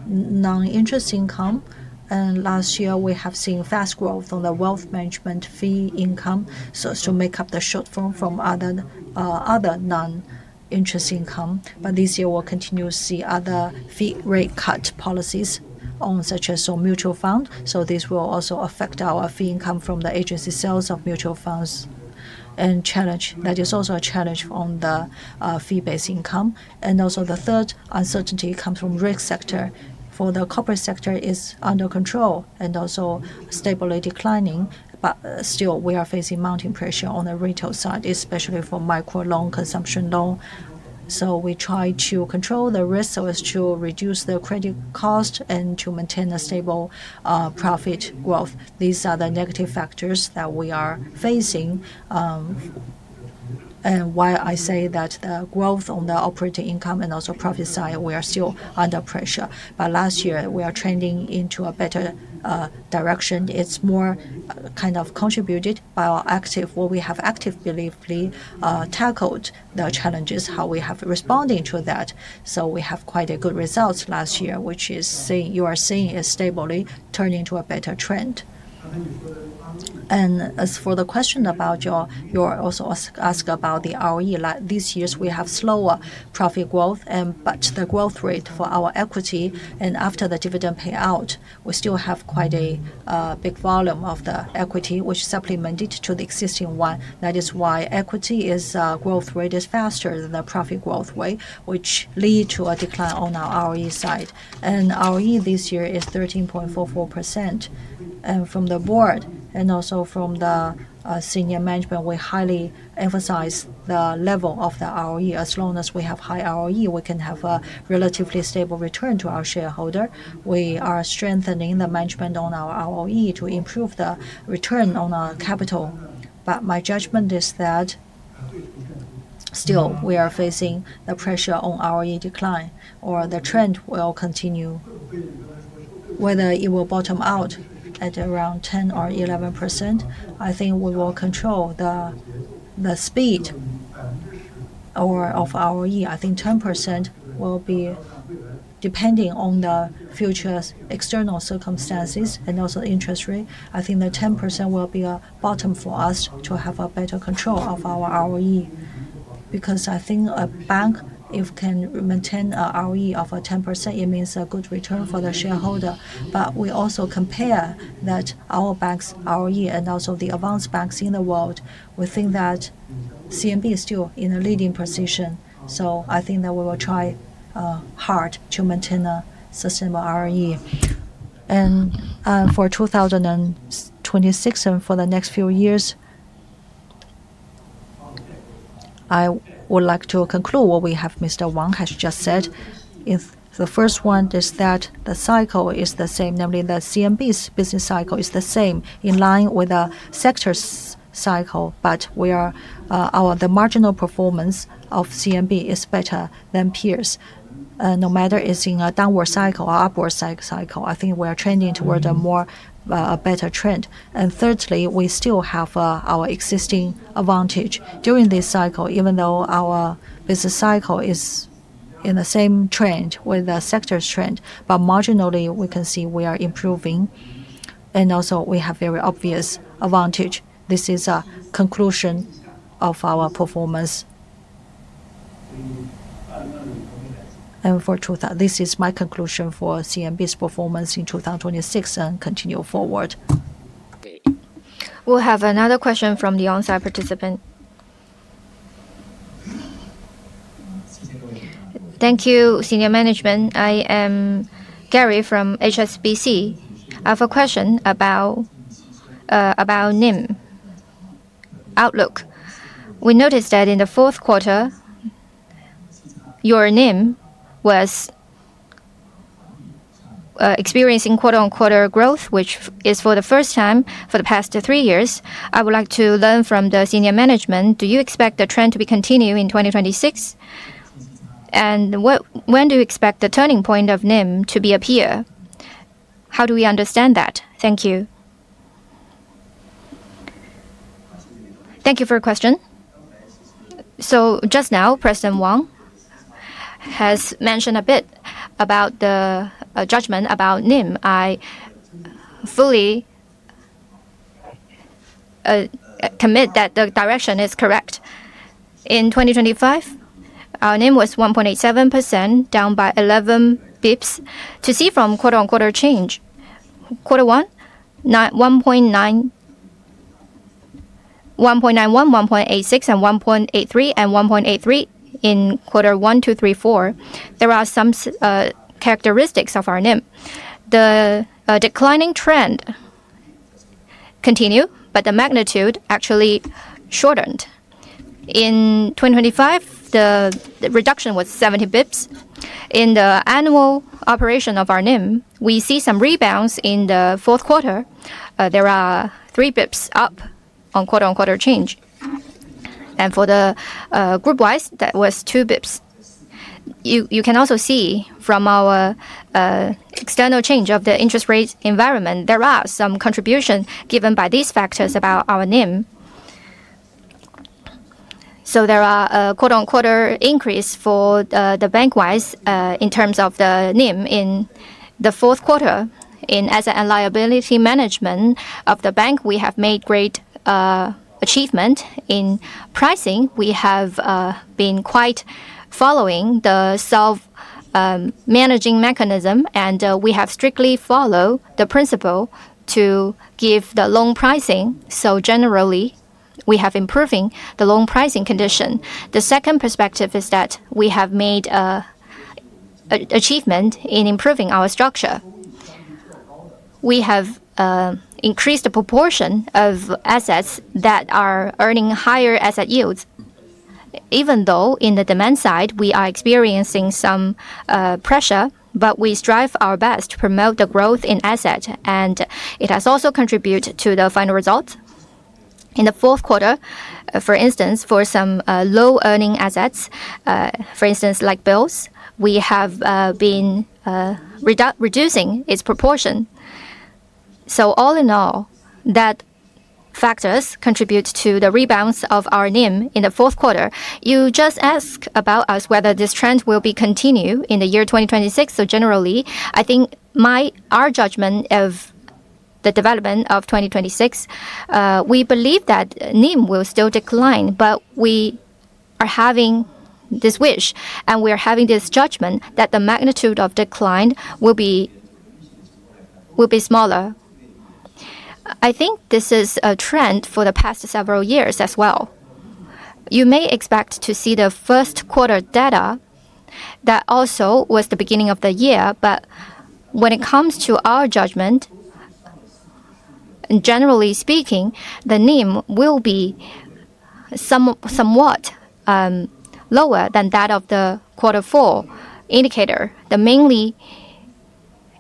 non-interest income, last year we have seen fast growth on the Wealth Management fee income, so make up the shortfall from other non-interest income. This year we'll continue to see other fee rate cut policies on such as on mutual fund. So this will also affect our fee income from the agency sales of mutual funds and challenge. That is also a challenge on the fee-based income. The third uncertainty comes from risk sector. The corporate sector is under control and also stably declining, but still we are facing mounting pressure on the retail side, especially for micro loan, consumption loan. We try to control the risk so as to reduce the credit cost and to maintain a stable profit growth. These are the negative factors that we are facing, and why I say that the growth on the operating income and also profit side, we are still under pressure. Last year we are trending into a better direction. It's more kind of contributed by our active, what we have actively tackled the challenges, how we have responding to that. We have quite a good results last year, which is say, you are seeing it stably turning to a better trend. As for the question about your, you also asked about the ROE. These years we have slower profit growth and but the growth rate for our equity and after the dividend payout, we still have quite a big volume of the equity which supplemented to the existing one. That is why equity growth rate is faster than the profit growth rate, which lead to a decline on our ROE side. ROE this year is 13.44%. From the Board and also from the senior management, we highly emphasize the level of the ROE. As long as we have high ROE, we can have a relatively stable return to our shareholder. We are strengthening the management on our ROE to improve the return on our capital. My judgment is that still we are facing the pressure on ROE decline or the trend will continue. Whether it will bottom out at around 10% or 11%, I think we will control the speed of our ROE. I think 10% will be depending on the future's external circumstances and also interest rate. I think that 10% will be a bottom for us to have a better control of our ROE. Because I think a bank, if can maintain a ROE of 10%, it means a good return for the shareholder. But we also compare that our bank's ROE and also the advanced banks in the world, we think that CMB is still in a leading position. I think that we will try hard to maintain a sustainable ROE. For 2026 and for the next few years, I would like to conclude what we have Mr. Wang has just said is the first one is that the cycle is the same, namely the CMB's business cycle is the same, in line with the sector's cycle, but our marginal performance of CMB is better than peers, no matter in a downward cycle or upward cycle. I think we are trending toward a better trend. Thirdly, we still have our existing advantage during this cycle, even though our business cycle is in the same trend with the sector's trend, but marginally, we can see we are improving, and also we have very obvious advantage. This is a conclusion of our performance. This is my conclusion for CMB's performance in 2026 and continue forward. We'll have another question from the onsite participant. Thank you, senior management. I am Gary from HSBC. I have a question about NIM outlook. We noticed that in the fourth quarter, your NIM was experiencing quarter-on-quarter growth, which is for the first time for the past three years. I would like to learn from the senior management, do you expect the trend to continue in 2026? When do you expect the turning point of NIM to appear? How do we understand that? Thank you. Thank you for your question. Just now, President Wang has mentioned a bit about the judgment about NIM. I fully commit that the direction is correct. In 2025, our NIM was 1.87%, down by 11 basis points. To see from quarter-on-quarter change, quarter one, 1.91%. Quarter two, 1.86%. Quarter three, 1.83%. And quarter four, 1.83%. There are some characteristics of our NIM. The declining trend continue, but the magnitude actually shortened. In 2025, the reduction was 70 basis points. In the annual operation of our NIM, we see some rebounds in the fourth quarter. There are three basis points up on quarter-on-quarter change. For the group-wise, that was 2 basis points. You can also see from our external changes in the interest rate environment. There are some contributions given by these factors about our NIM. There is a quarter-on-quarter increase bank-wide in terms of the NIM in the fourth quarter. In asset and liability management of the bank, we have made great achievement in pricing. We have been quite following the self-managing mechanism, and we have strictly follow the principle to give the loan pricing. Generally, we have improving the loan pricing condition. The second perspective is that we have made a achievement in improving our structure. We have increased the proportion of assets that are earning higher asset yields. Even though in the demand side, we are experiencing some pressure, but we strive our best to promote the growth in asset, and it has also contribute to the final result. In the fourth quarter, for instance, for some low-earning assets, for instance like bills, we have been reducing its proportion. All in all, that factors contribute to the rebounds of our NIM in the fourth quarter. You just asked about us whether this trend will continue in the year 2026. Generally, I think our judgment of the development of 2026, we believe that NIM will still decline, but we are having this wish, and we are having this judgment that the magnitude of decline will be smaller. I think this is a trend for the past several years as well. You may expect to see the first quarter data that also was the beginning of the year, but when it comes to our judgment, and generally speaking, the NIM will be somewhat lower than that of the quarter four indicator. The main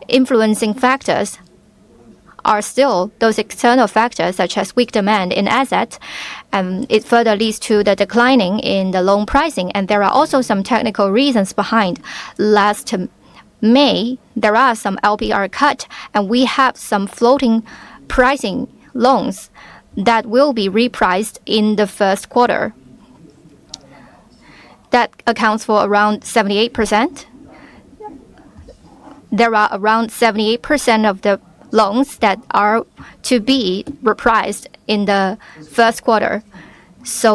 influencing factors are still those external factors, such as weak demand in assets, and it further leads to the decline in the loan pricing. There are also some technical reasons behind. Last May, there are some LPR cut, and we have some floating pricing loans that will be repriced in the first quarter. That accounts for around 78%. There are around 78% of the loans that are to be repriced in the first quarter.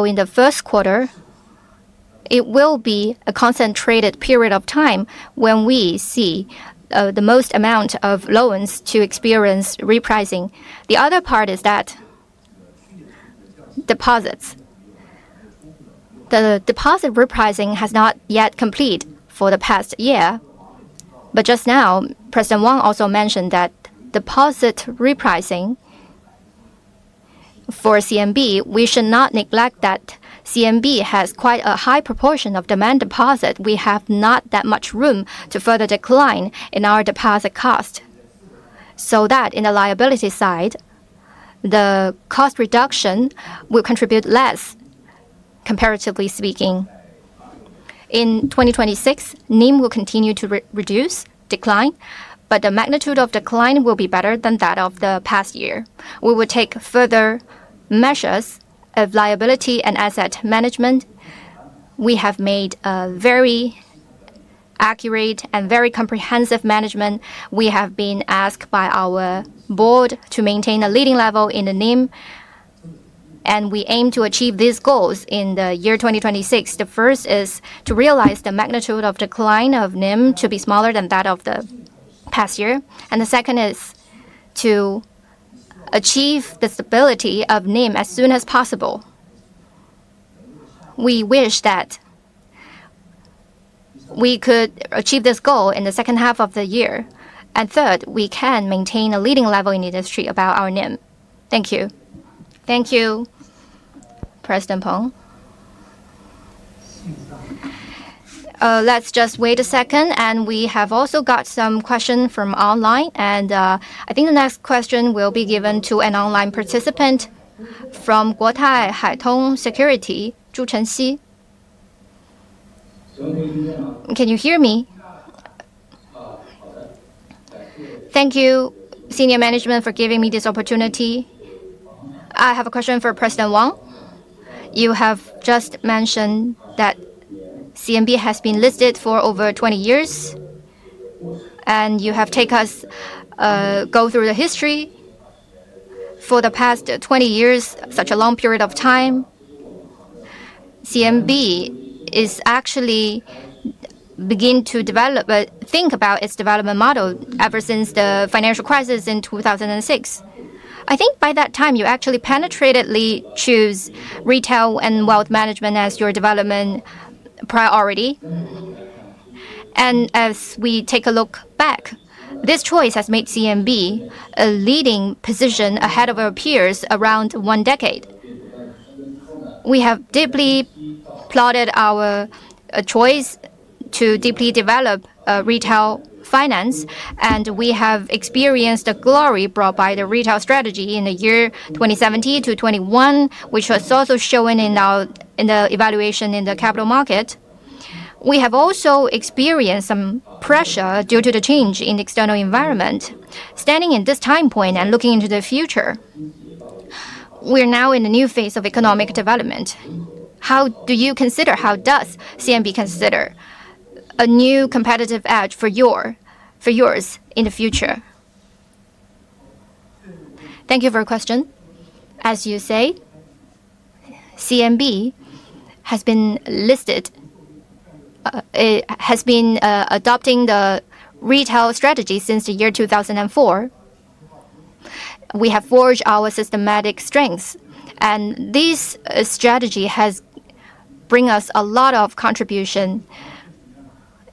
In the first quarter, it will be a concentrated period of time when we see the most amount of loans to experience repricing. The other part is that deposits. The deposit repricing has not yet completed for the past year, but just now, President Wang also mentioned that deposit repricing for CMB. We should not neglect that CMB has quite a high proportion of demand deposit. We have not that much room to further decline in our deposit cost. That in the liability side, the cost reduction will contribute less, comparatively speaking. In 2026, NIM will continue to decline, but the magnitude of decline will be better than that of the past year. We will take further measures of liability and Asset Management. We have made a very accurate and very comprehensive management. We have been asked by our board to maintain a leading level in the NIM, and we aim to achieve these goals in the year 2026. The first is to realize the magnitude of decline of NIM to be smaller than that of the past year. The second is to achieve the stability of NIM as soon as possible. We wish that we could achieve this goal in the second half of the year. Third, we can maintain a leading level in the industry about our NIM. Thank you. Thank you, President Peng. Let's just wait a second, and we have also got some question from online and, I think the next question will be given to an online participant from Guotai Haitong Securities, Zhu Chengxi. Thank you, senior management, for giving me this opportunity. I have a question for President Wang. You have just mentioned that CMB has been listed for over 20 years, and you have take us go through the history. For the past 20 years, such a long period of time, CMB is actually begin to think about its development model ever since the financial crisis in 2006. I think by that time, you actually deliberately choose retail and Wealth Management as your development priority. As we take a look back, this choice has made CMB a leading position ahead of our peers around one decade. We have deeply pondered our choice to deeply develop Retail Finance, and we have experienced the glory brought by the retail strategy in the year 2017-2021, which was also shown in our evaluation in the capital market. We have also experienced some pressure due to the change in external environment. Standing at this time point and looking into the future, we are now in a new phase of economic development. How do you consider, how does CMB consider a new competitive edge for yours in the future? Thank you for your question. As you say, CMB has been adopting the retail strategy since the year 2004. We have forged our systematic strengths, and this strategy has bring us a lot of contribution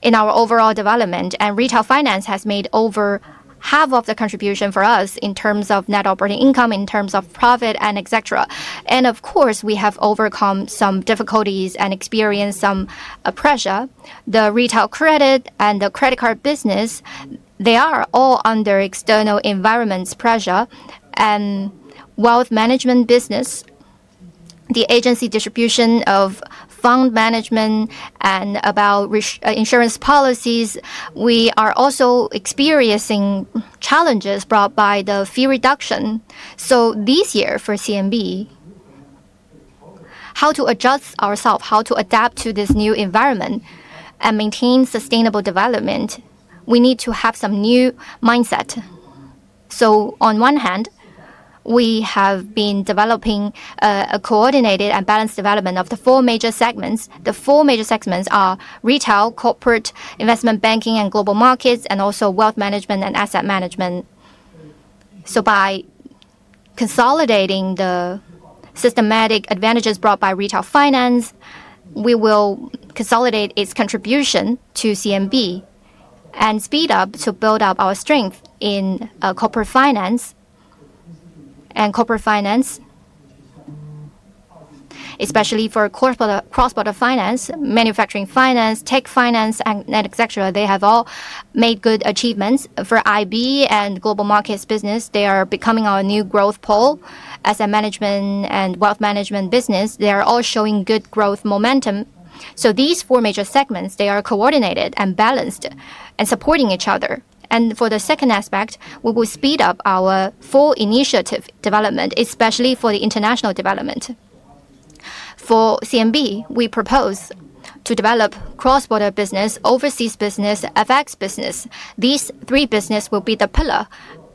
in our overall development, and Retail Finance has made over half of the contribution for us in terms of net operating income, in terms of profit, and etc. Of course, we have overcome some difficulties and experienced some pressure. The retail credit and the credit card business, they are all under external environments pressure and Wealth Management business. The agency distribution of fund management and about insurance policies, we are also experiencing challenges brought by the fee reduction. This year for CMB, how to adjust ourself, how to adapt to this new environment and maintain sustainable development, we need to have some new mindset. On one hand, we have been developing a coordinated and balanced development of the four major segments. The four major segments are retail, corporate, Investment Banking and Global Markets, and also Wealth Management and Asset Management. By consolidating the systematic advantages brought by Retail Finance, we will consolidate its contribution to CMB and speed up to build up our strength in Corporate Finance. Corporate Finance, especially for Cross-border Finance, Manufacturing Finance, tech finance, and etc, they have all made good achievements. For IB and Global Markets business, they are becoming our new growth pole. Asset management and Wealth Management business, they are all showing good growth momentum. These four major segments, they are coordinated and balanced and supporting each other. For the second aspect, we will speed up our full initiative development, especially for the international development. For CMB, we propose to develop cross-border business, overseas business, FX business. These three business will be the pillar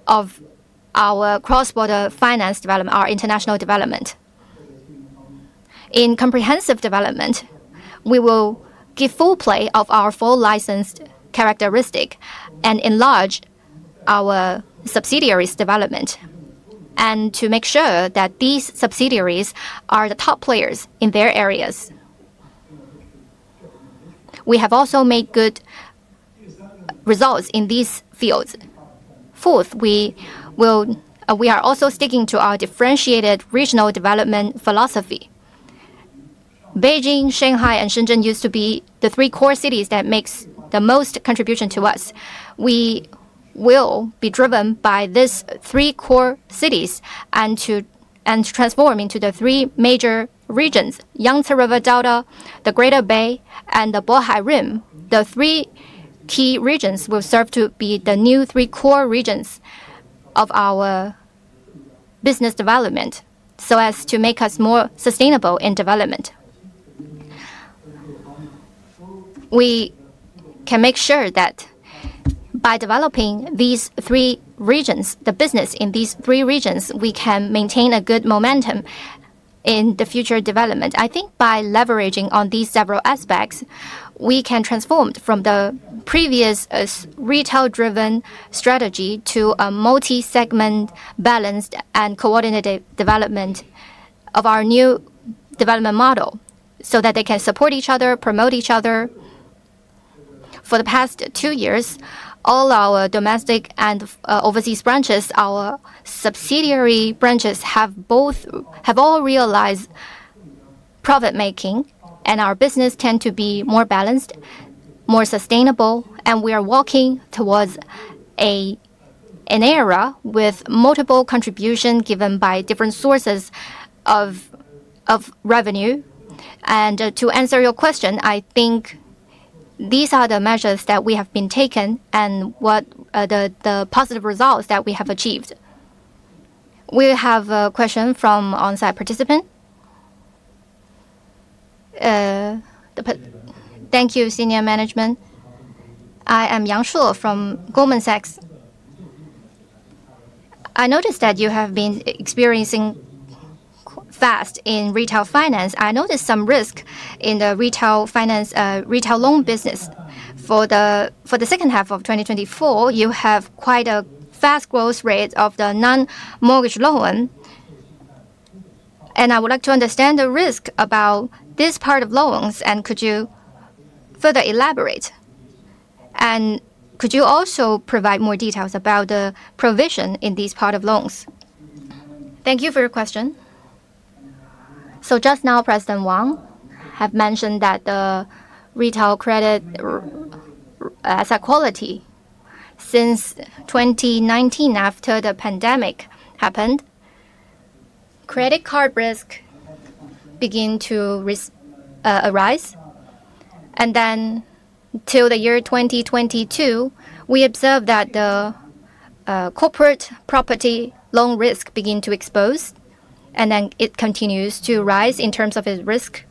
of our cross-border finance development, our international development. In comprehensive development, we will give full play of our full licensed characteristic and enlarge our subsidiaries' development, and to make sure that these subsidiaries are the top players in their areas. We have also made good results in these fields. Fourth, we are also sticking to our differentiated regional development philosophy. Beijing, Shanghai, and Shenzhen used to be the three core cities that makes the most contribution to us. We will be driven by these three core cities and to transform into the three major regions, Yangtze River Delta, the Greater Bay, and the Bohai Rim. The three key regions will serve to be the new three core regions of our business development so as to make us more sustainable in development. We can make sure that by developing these three regions, the business in these three regions, we can maintain a good momentum in the future development. I think by leveraging on these several aspects, we can transform from the previous retail-driven strategy to a multi-segment balanced and coordinated development of our new development model, so that they can support each other, promote each other. For the past two years, all our domestic and overseas branches, our subsidiary branches have all realized profit-making, and our business tend to be more balanced, more sustainable, and we are working towards an era with multiple contribution given by different sources of revenue. To answer your question, I think these are the measures that we have been taken and what the positive results that we have achieved. We have a question from on-site participant. Thank you, senior management. I am Yang Shuo from Goldman Sachs. I noticed that you have been experiencing quite fast in Retail Finance. I noticed some risk in the Retail Finance, retail loan business. For the second half of 2024, you have quite a fast growth rate of the non-mortgage loan. I would like to understand the risk about this part of loans, and could you further elaborate? Could you also provide more details about the provision in these part of loans? Thank you for your question. Just now, President Wang have mentioned that the retail credit risk asset quality. Since 2019, after the pandemic happened, credit card risk begin to rise. Till the year 2022, we observed that the corporate property loan risk begin to expose, and then it continues to rise in terms of its risk.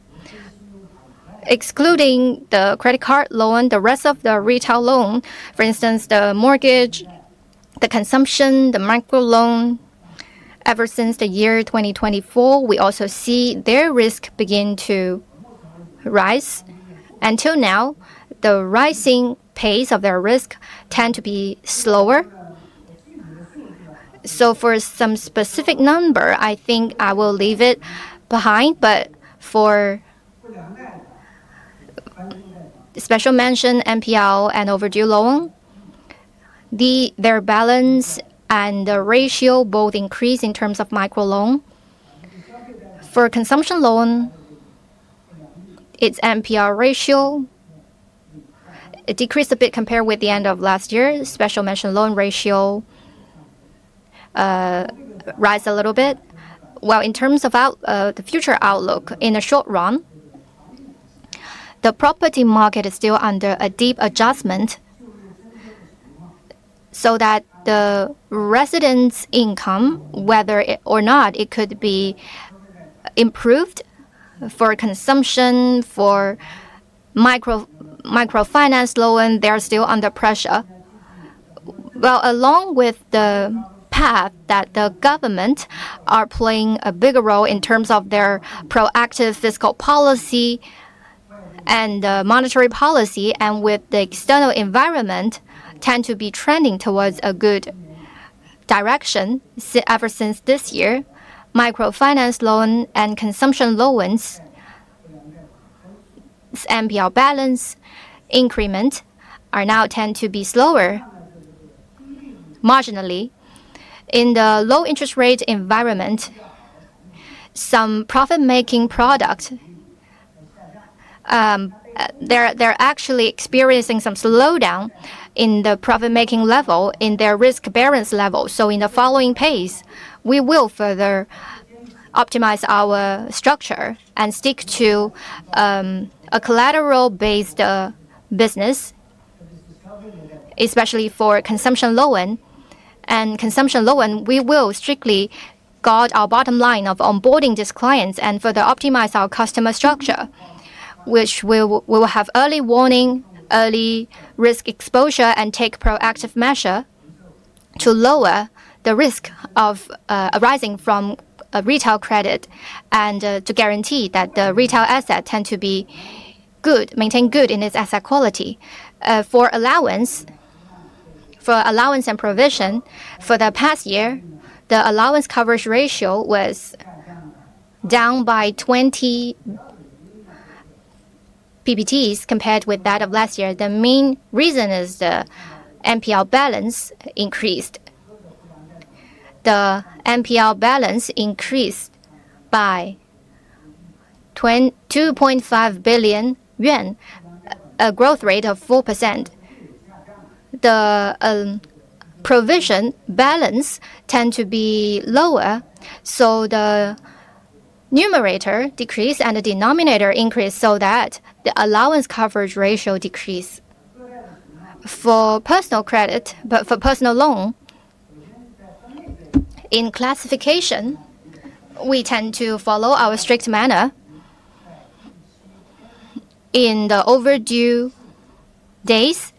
Excluding the credit card loan, the rest of the retail loan, for instance, the mortgage, the consumption, the microloan, ever since the year 2024, we also see their risk begin to rise. Until now, the rising pace of their risk tend to be slower. For some specific number, I think I will leave it behind, but for special mention NPL and overdue loan, their balance and the ratio both increase in terms of microloan. For consumption loan, its NPL ratio, it decreased a bit compared with the end of last year. Special mention loan ratio rise a little bit. Well, in terms of the future outlook, in the short run, the property market is still under a deep adjustment so that the residents' income, whether it or not it could be improved for consumption, for microfinance loan, they are still under pressure. Well, along with the path that the government are playing a bigger role in terms of their proactive fiscal policy and monetary policy, and with the external environment tend to be trending towards a good direction. Ever since this year, microfinance loan and consumption loans, NPL balance increment are now tend to be slower marginally. In the low interest rate environment, some profit-making product, they're actually experiencing some slowdown in the profit-making level, in their risk-bearing level. In the following pace, we will further optimize our structure and stick to a collateral-based business, especially for consumption loan. Consumption loan, we will strictly guard our bottom line of onboarding these clients and further optimize our customer structure, which we will have early warning, early risk exposure and take proactive measure to lower the risk of arising from a retail credit and to guarantee that the retail asset tend to be good, maintain good in its asset quality. For allowance and provision, for the past year, the allowance coverage ratio was down by 20 percentage pointss compared with that of last year. The main reason is the NPL balance increased. The NPL balance increased by 2.5 billion yuan, a growth rate of 4%. The provision balance tend to be lower, so the numerator decrease and the denominator increase so that the allowance coverage ratio decrease. For personal credit, but for personal loan, in classification, we tend to follow our strict manner. In the overdue days,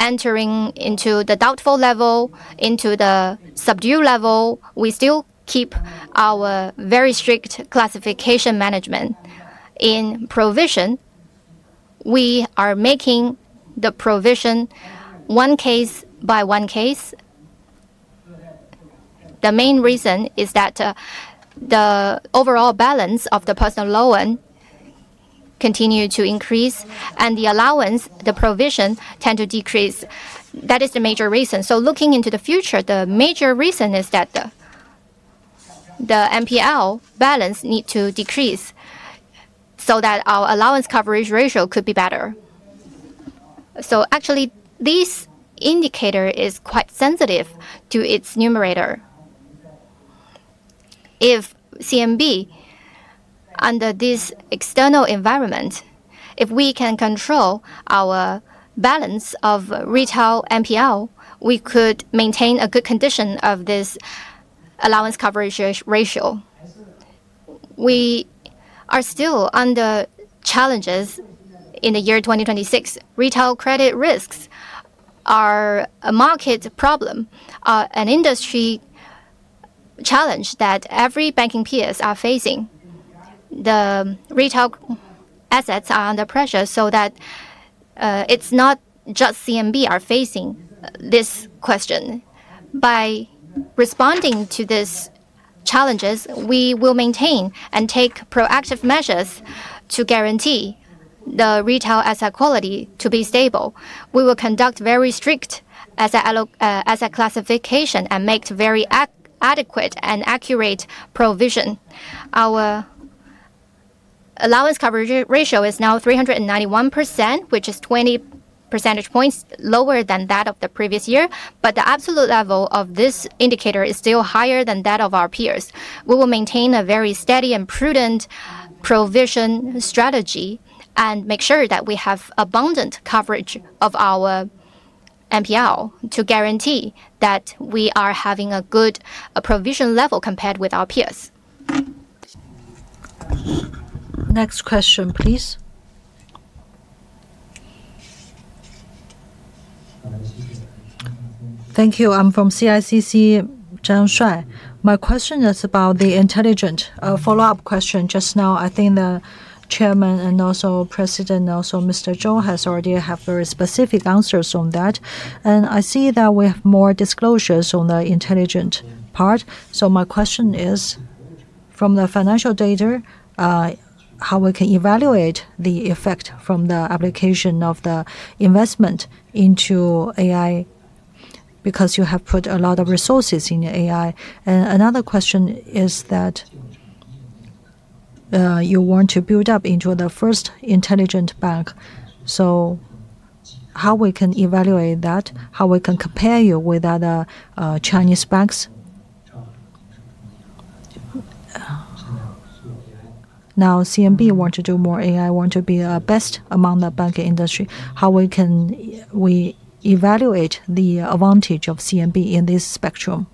entering into the doubtful level, into the substandard level, we still keep our very strict classification management. In provision, we are making the provision one case by one case. The main reason is that, the overall balance of the personal loan continue to increase and the allowance, the provision tend to decrease. That is the major reason. Looking into the future, the major reason is that the NPL balance need to decrease so that our allowance coverage ratio could be better. Actually, this indicator is quite sensitive to its numerator. If CMB, under this external environment, if we can control our balance of retail NPL, we could maintain a good condition of this allowance coverage ratio. We are still under challenges in the year 2026. Retail credit risks are a market problem, an industry challenge that every banking peers are facing. The retail assets are under pressure so that, it's not just CMB are facing this question. By responding to this challenges, we will maintain and take proactive measures to guarantee the retail asset quality to be stable. We will conduct very strict asset classification and make very adequate and accurate provision. Our allowance coverage ratio is now 391%, which is 20 percentage points lower than that of the previous year, but the absolute level of this indicator is still higher than that of our peers. We will maintain a very steady and prudent provision strategy and make sure that we have abundant coverage of our NPL to guarantee that we are having a good provision level compared with our peers. Next question, please. Thank you. I'm from CICC, Zhang Shuaishuai. My question is about the intelligent. A follow-up question just now, I think the Chairman and also President, also Mr. Zhou has already have very specific answers on that. I see that we have more disclosures on the intelligent part. My question is, from the financial data, how we can evaluate the effect from the application of the investment into AI, because you have put a lot of resources in AI. Another question is that, you want to build up into the first intelligent bank, so how we can evaluate that? How we can compare you with other, Chinese banks? Now, CMB want to do more AI, want to be, best among the bank industry. How we can evaluate the advantage of CMB in this spectrum?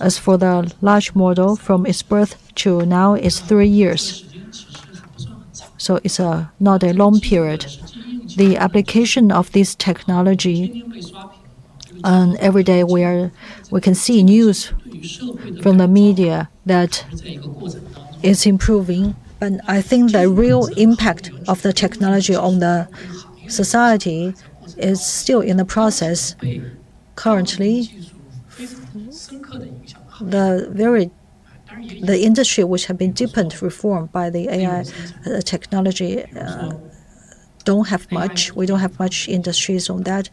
As for the large model from its birth to now, it's three years. It's not a long period. The application of this technology and every day we can see news from the media that it's improving. I think the real impact of the technology on the society is still in the process currently. The industry which have been deeply reformed by the AI technology don't have much. We don't have much industries on that.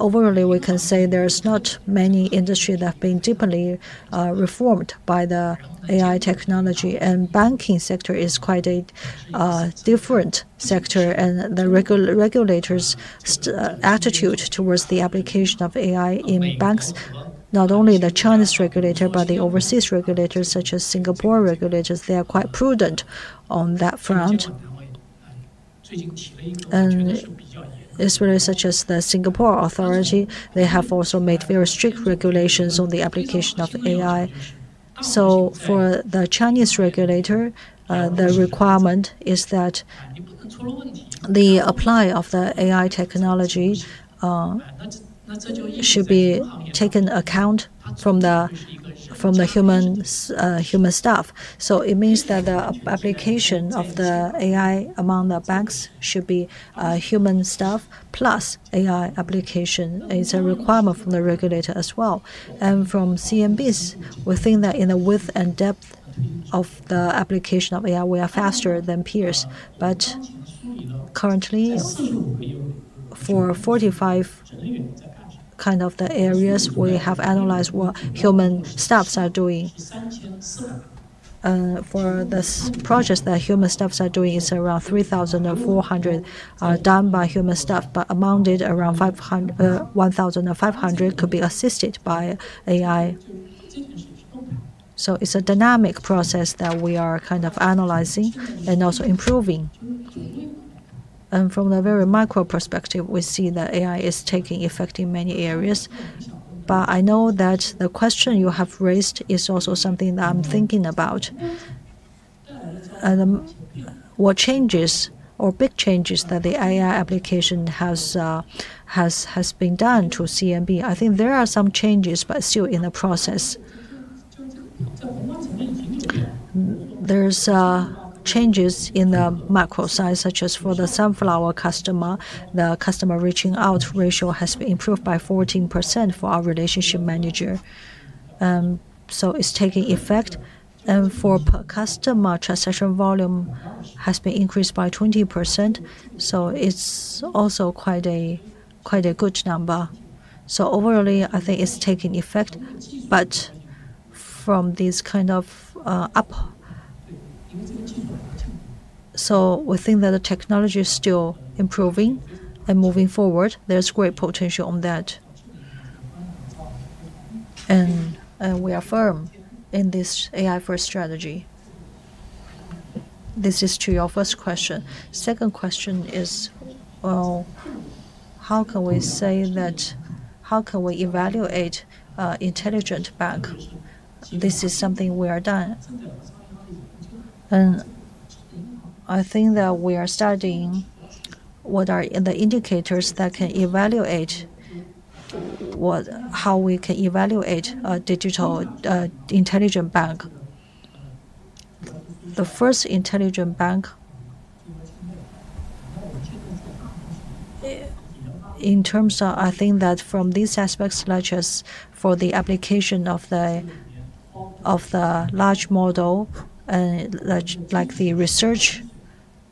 Overall, we can say there is not many industry that have been deeply reformed by the AI technology, and banking sector is quite a different sector. The regulators' attitude towards the application of AI in banks, not only the Chinese regulator, but the overseas regulators such as Singapore regulators, they are quite prudent on that front. Especially such as the Monetary Authority of Singapore, they have also made very strict regulations on the application of AI. For the Chinese regulator, the requirement is that the application of the AI technology should be taken into account by the human staff. It means that the application of the AI among the banks should be human staff plus AI application, which is a requirement from the regulator as well. From CMB's, we think that in the breadth and depth of the application of AI, we are faster than peers. Currently, for 45 kinds of the areas, we have analyzed what human staff are doing. For this projects that human staffs are doing, it's around 3,400 are done by human staff, but around 1,500 could be assisted by AI. It's a dynamic process that we are kind of analyzing and also improving. From the very micro perspective, we see that AI is taking effect in many areas, but I know that the question you have raised is also something that I'm thinking about. What changes or big changes that the AI application has been done to CMB? I think there are some changes, but still in the process. There are changes in the micro size, such as for the Sunflower customer. The customer reaching out ratio has been improved by 14% for our relationship manager. It's taking effect. Per customer transaction volume has been increased by 20%, so it's also quite a good number. Overall, I think it's taking effect. We think that the technology is still improving and moving forward. There's great potential on that. We are firm in this AI first strategy. This is to your first question. Second question is, well, how can we say that? How can we evaluate intelligent bank? This is something we are doing. I think that we are studying what are the indicators that can evaluate what, how we can evaluate a digital intelligent bank. The first intelligent bank. In terms of, I think that from these aspects, such as for the application of the large model, like the research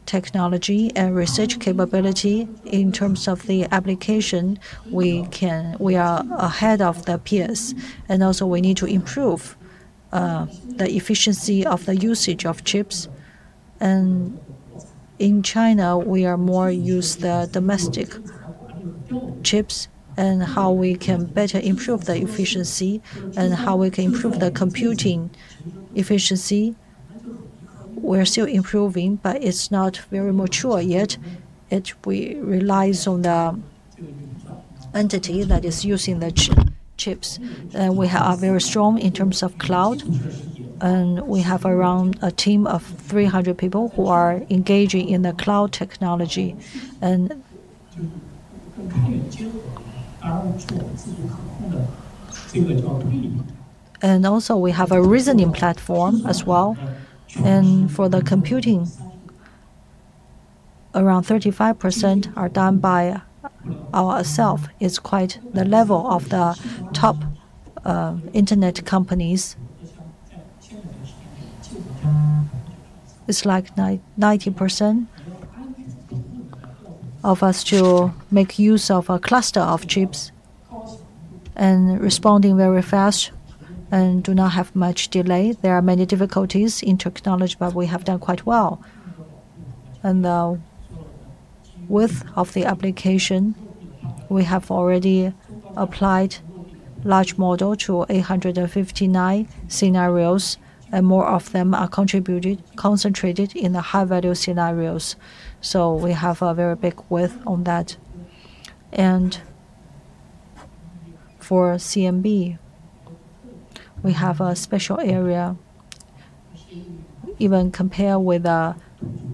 technology and research capability, in terms of the application we can. We are ahead of the peers. We need to improve the efficiency of the usage of chips. In China, we are more use the domestic chips and how we can better improve the efficiency and how we can improve the computing efficiency. We're still improving, but it's not very mature yet. We rely on the entity that is using the chips. We are very strong in terms of cloud, and we have around a team of 300 people who are engaging in the cloud technology. We also have a reasoning platform as well. For the computing, around 35% are done by ourself. It's quite the level of the top internet companies. It's like 99% utilization to make use of a cluster of chips and responding very fast and do not have much delay. There are many difficulties in technology, but we have done quite well. The breadth of the application, we have already applied large model to 859 scenarios, and more of them are concentrated in the high value scenarios. We have a very big breadth on that. For CMB, we have a special area. Even compared with the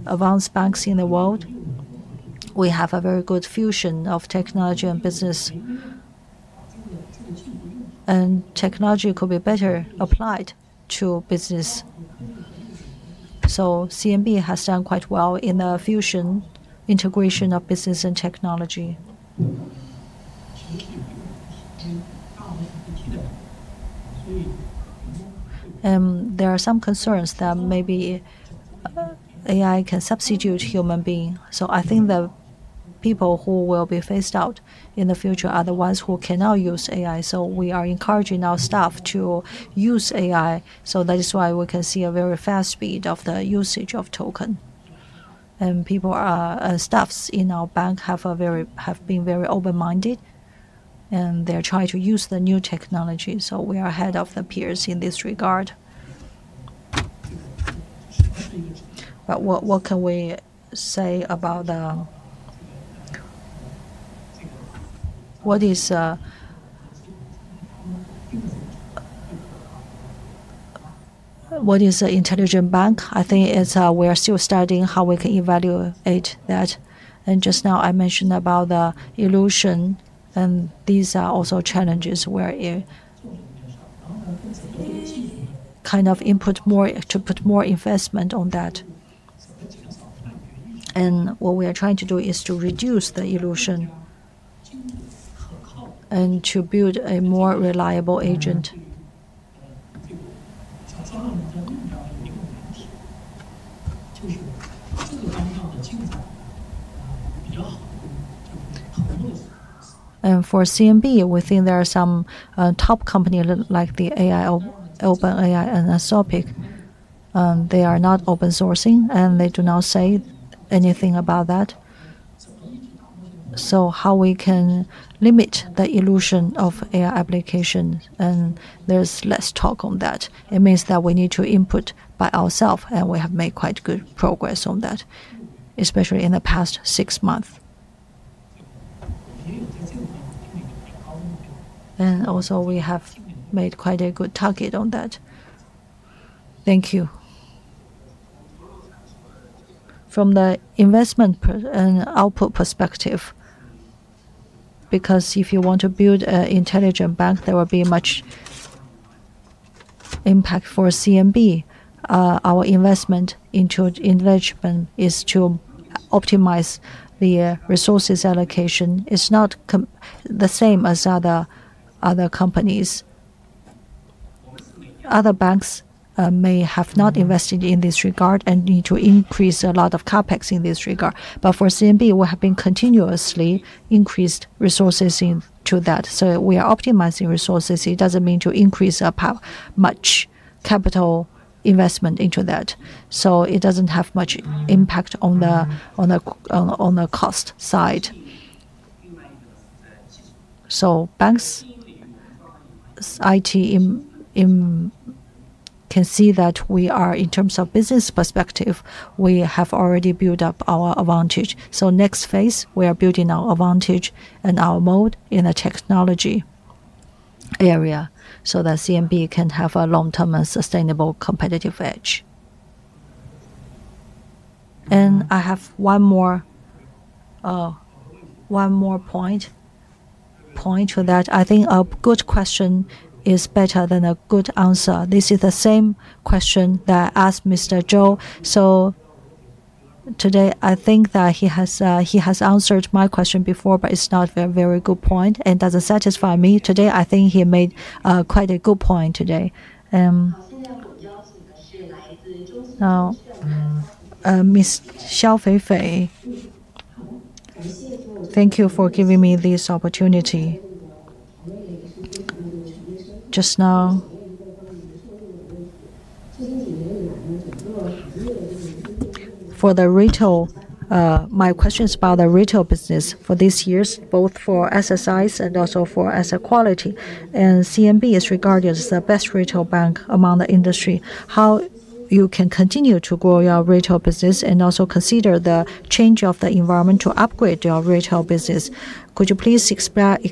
advanced banks in the world, we have a very good fusion of technology and business. Technology could be better applied to business. CMB has done quite well in the fusion integration of business and technology. There are some concerns that maybe AI can substitute human being. I think the people who will be phased out in the future are the ones who cannot use AI. We are encouraging our staff to use AI. That is why we can see a very fast speed of the usage of token. Our staff in our bank have been very open-minded, and they try to use the new technology. We are ahead of the peers in this regard. What can we say about what is an intelligent bank? I think it's we are still studying how we can evaluate that. Just now I mentioned about the hallucination, and these are also challenges where you kind of put more investment on that. What we are trying to do is to reduce the hallucination and to build a more reliable agent. For CMB, within there are some top companies like OpenAI and Anthropic. They are not open sourcing, and they do not say anything about that. So how we can limit the hallucination of AI application, and there's less talk on that. It means that we need to input by ourself, and we have made quite good progress on that, especially in the past six months. We have made quite a good target on that. Thank you. From the investment input and output perspective, because if you want to build an intelligent bank, there will be much impact for CMB. Our investment into enlargement is to optimize the resources allocation. It's not the same as other companies. Other banks may have not invested in this regard and need to increase a lot of CapEx in this regard. For CMB, we have been continuously increased resources into that. We are optimizing resources. It doesn't mean to increase much capital investment into that. It doesn't have much impact on the cost side. From the banks' IT investment, we can see that in terms of business perspective, we have already built up our advantage. Next phase, we are building our advantage and our model in a technology area so that CMB can have a long-term and sustainable competitive edge. I have one more point for that. I think a good question is better than a good answer. This is the same question that I asked Mr. Zhou. Today, I think that he has answered my question before, but it's not a very good point and doesn't satisfy me. Today, I think he made quite a good point today. Now, Ms. Xiao Feifei? Thank you for giving me this opportunity. Just now, for the retail, my question is about the retail business for these years, both for asset size and also for asset quality, and CMB is regarded as the best retail bank among the industry. How you can continue to grow your retail business and also consider the change of the environment to upgrade your retail business. Could you please explain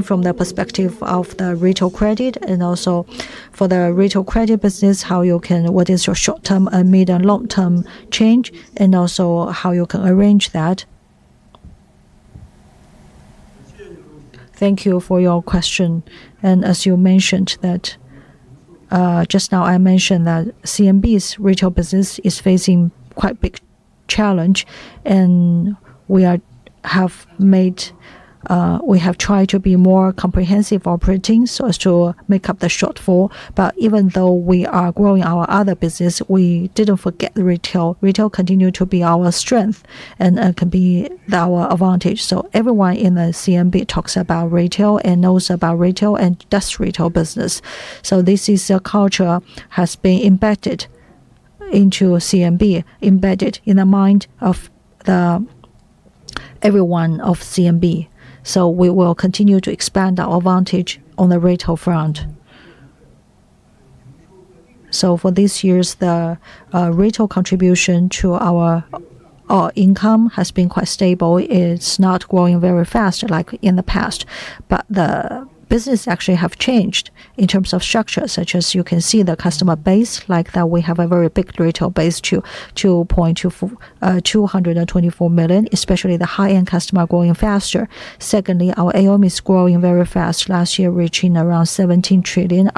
from the perspective of the retail credit and also for the retail credit business, how you can. What is your short-term, mid, and long-term change, and also how you can arrange that? Thank you for your question. As you mentioned that, just now, I mentioned that CMB's retail business is facing quite big challenge, and we have tried to be more comprehensive operating so as to make up the shortfall. Even though we are growing our other business, we didn't forget the retail. Retail continued to be our strength and can be our advantage. Everyone in the CMB talks about retail and knows about retail and does retail business. This is a culture has been embedded into CMB, embedded in the mind of the everyone of CMB. We will continue to expand our advantage on the retail front. For these years, the retail contribution to our income has been quite stable. It's not growing very fast like in the past. The business actually have changed in terms of structure, such as you can see the customer base like that we have a very big retail base, 224 million, especially the high-end customer growing faster. Secondly, our AUM is growing very fast, last year reaching around 17 trillion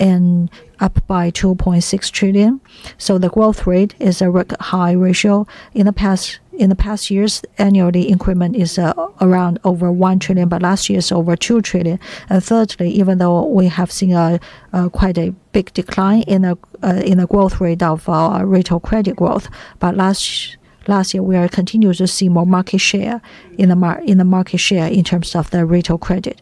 and up by 2.6 trillion. The growth rate is a high ratio. In the past years, annual increment is around over 1 trillion, but last year it's over 2 trillion. Thirdly, even though we have seen a quite a big decline in a growth rate of our retail credit growth, last year we continue to see more market share in the market share in terms of the retail credit.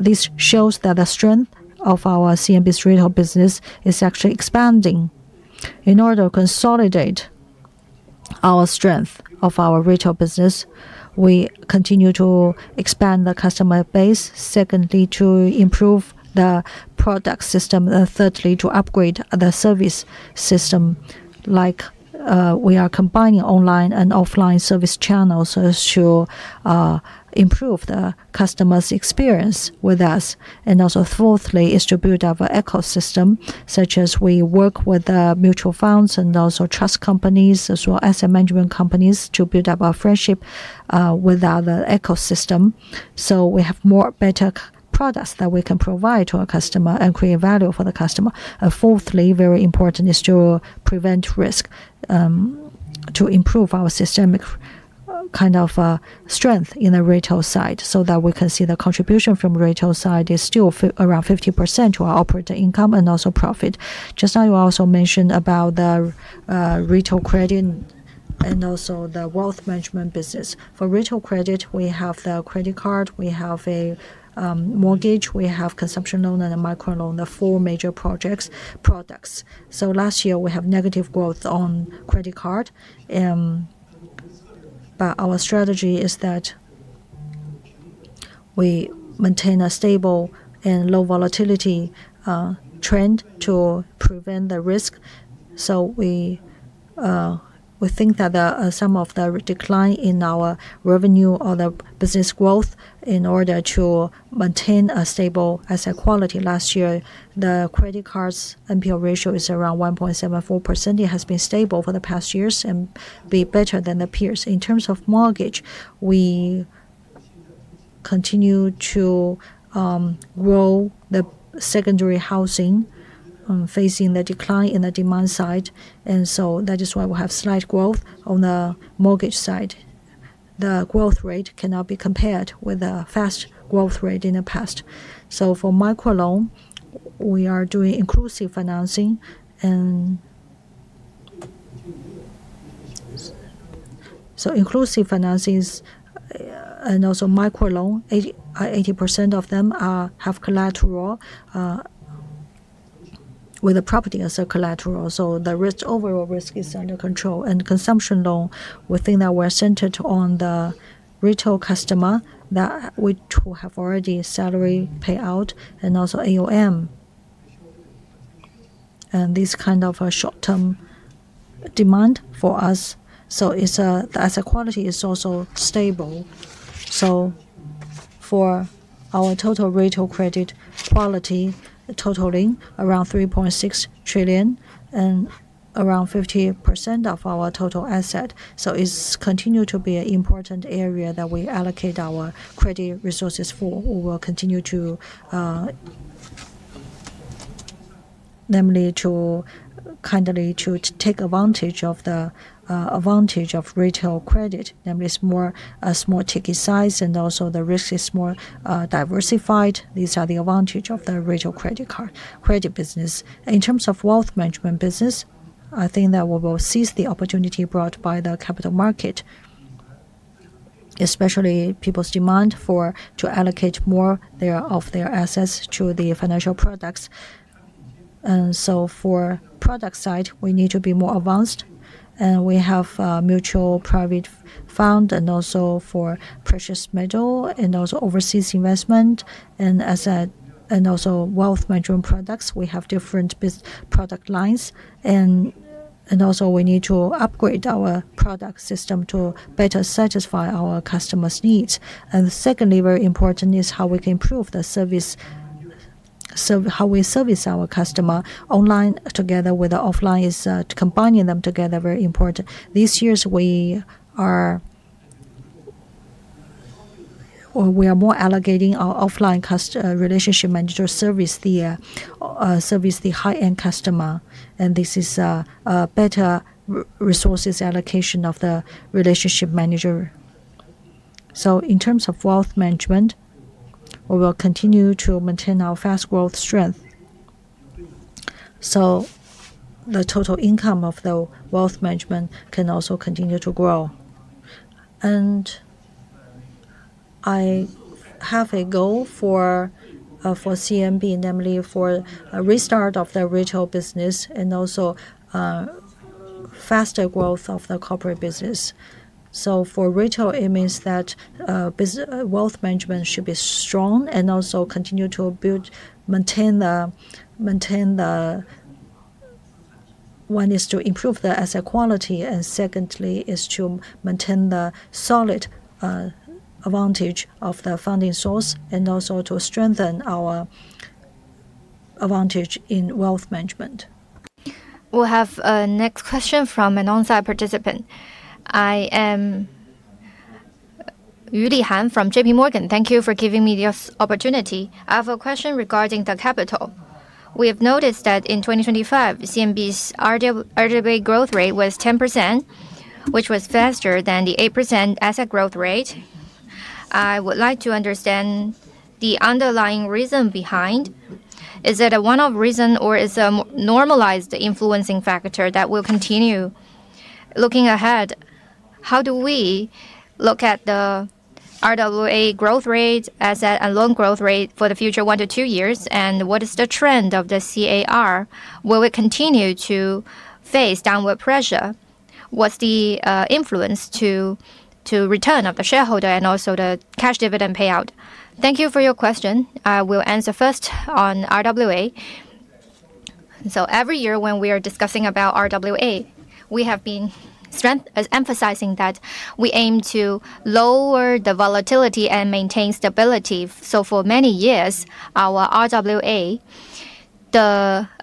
This shows that the strength of our CMB's retail business is actually expanding. In order to consolidate our strength of our retail business, we continue to expand the customer base. Secondly, to improve the product system. Thirdly, to upgrade the service system. Like, we are combining online and offline service channels so as to improve the customer's experience with us. Fourthly, to build up our ecosystem, such as we work with the mutual funds and also trust companies as well as Asset Management companies to build up our friendship with other ecosystem. We have more better products that we can provide to our customer and create value for the customer. Fourthly, very important is to prevent risk, to improve our systemic kind of strength in the retail side so that we can see the contribution from retail side is still around 50% to our operating income and also profit. Just now you also mentioned about the retail credit and also the Wealth Management business. For retail credit, we have the credit card, we have a mortgage, we have consumption loan and a micro loan, the four major products. Last year we have negative growth on credit card, but our strategy is that we maintain a stable and low volatility trend to prevent the risk. We think that some of the decline in our revenue or the business growth in order to maintain a stable asset quality. Last year, the credit cards NPL ratio is around 1.74%. It has been stable for the past years and be better than the peers. In terms of mortgage, we continue to grow the secondary housing facing the decline in the demand side, and that is why we have slight growth on the mortgage side. The growth rate cannot be compared with the fast growth rate in the past. For micro loan, we are doing inclusive financing and inclusive financing and also micro loan, 80% of them have collateral where the property is a collateral. The overall risk is under control. Consumption loan, we think that we're centered on the retail customer that who have already a salary payout and also AUM. This kind of short-term demand for us, so the asset quality is also stable. For our total retail credit totaling around 3.6 trillion and around 50% of our total asset, it continues to be an important area that we allocate our credit resources for. We will continue to take advantage of the advantage of retail credit. There is more small ticket size and also the risk is more diversified. These are the advantages of the retail credit business. In terms of Wealth Management business, I think that we will seize the opportunity brought by the capital market, especially people's demand to allocate more of their assets to the financial products. For product side, we need to be more advanced. We have mutual private fund and also for precious metal and also overseas investment and asset and also Wealth Management products. We have different product lines and also we need to upgrade our product system to better satisfy our customers' needs. Secondly, very important is how we can improve the service. How we service our customer online together with the offline is combining them together, very important. These years, we are more allocating our offline relationship manager service the high-end customer, and this is a better resource allocation of the relationship manager. In terms of Wealth Management, we will continue to maintain our fast growth strength. The total income of the Wealth Management can also continue to grow. I have a goal for CMB, namely for a restart of the retail business and also faster growth of the corporate business. For retail, it means that Wealth Management should be strong and also continue to build, maintain the. One is to improve the asset quality, and secondly is to maintain the solid advantage of the funding source and also to strengthen our advantage in Wealth Management. We'll have a next question from an on-site participant. I am Yu Lihan from JPMorgan. Thank you for giving me this opportunity. I have a question regarding the capital. We have noted that in 2025, CMB's RWA growth rate was 10%, which was faster than the 8% asset growth rate. I would like to understand the underlying reason behind. Is it a one-off reason or is a normalized influencing factor that will continue? Looking ahead, how do we look at the RWA growth rate, asset and loan growth rate for the future 1-2 years? And what is the trend of the CAR? Will it continue to face downward pressure? What's the influence to return of the shareholder and also the cash dividend payout? Thank you for your question. I will answer first on RWA. Every year when we are discussing about RWA, we have been emphasizing that we aim to lower the volatility and maintain stability. For many years, the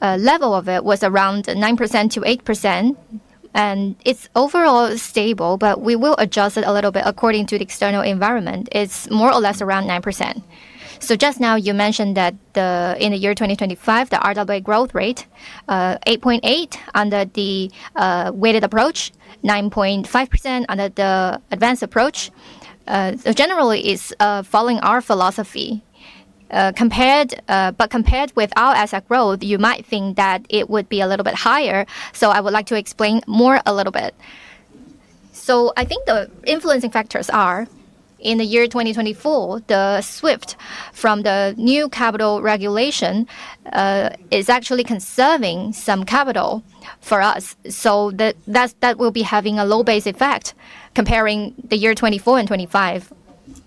level of our RWA was around 9%-8%, and it's overall stable, but we will adjust it a little bit according to the external environment. It's more or less around 9%. Just now, you mentioned that in the year 2025, the RWA growth rate 8.8% under the weighted approach, 9.5% under the advanced approach. Generally, it's following our philosophy, but compared with our asset growth, you might think that it would be a little bit higher, so I would like to explain more a little bit. I think the influencing factors are, in the year 2024, the shift from the new capital regulation is actually conserving some capital for us. That will be having a low base effect comparing the year 2024 and 2025.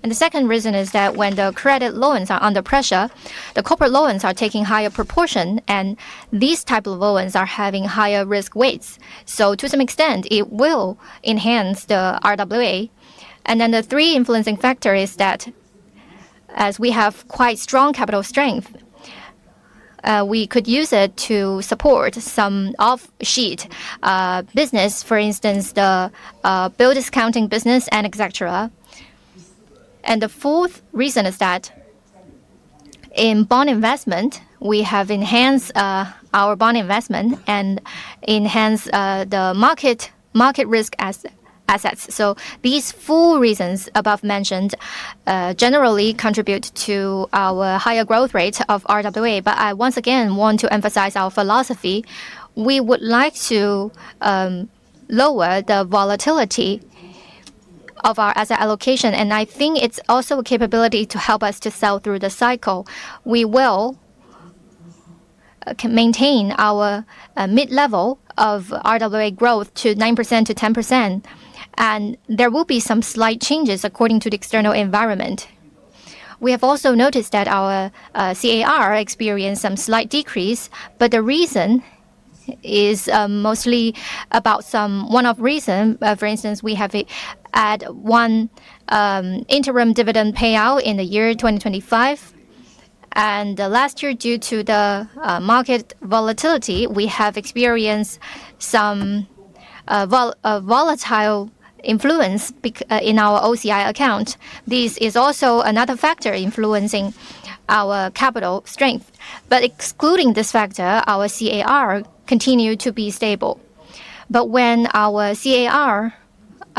The second reason is that when the credit loans are under pressure, the corporate loans are taking higher proportion, and these type of loans are having higher risk weights. To some extent, it will enhance the RWA. The three influencing factor is that, as we have quite strong capital strength, we could use it to support some off-sheet business. For instance, the bill discounting business and etc. The fourth reason is that in bond investment, we have enhanced our bond investment and enhanced the market risk assets. These four reasons above mentioned generally contribute to our higher growth rate of RWA. I once again want to emphasize our philosophy. We would like to lower the volatility of our asset allocation, and I think it's also a capability to help us to sell through the cycle. We will maintain our mid-level of RWA growth to 9%-10%, and there will be some slight changes according to the external environment. We have also noticed that our CAR experienced some slight decrease, but the reason is mostly about some one-off reason. For instance, we had one interim dividend payout in the year 2025. Last year, due to the market volatility, we have experienced some volatile influence in our OCI account. This is also another factor influencing our capital strength. Excluding this factor, our CAR continued to be stable. When our CAR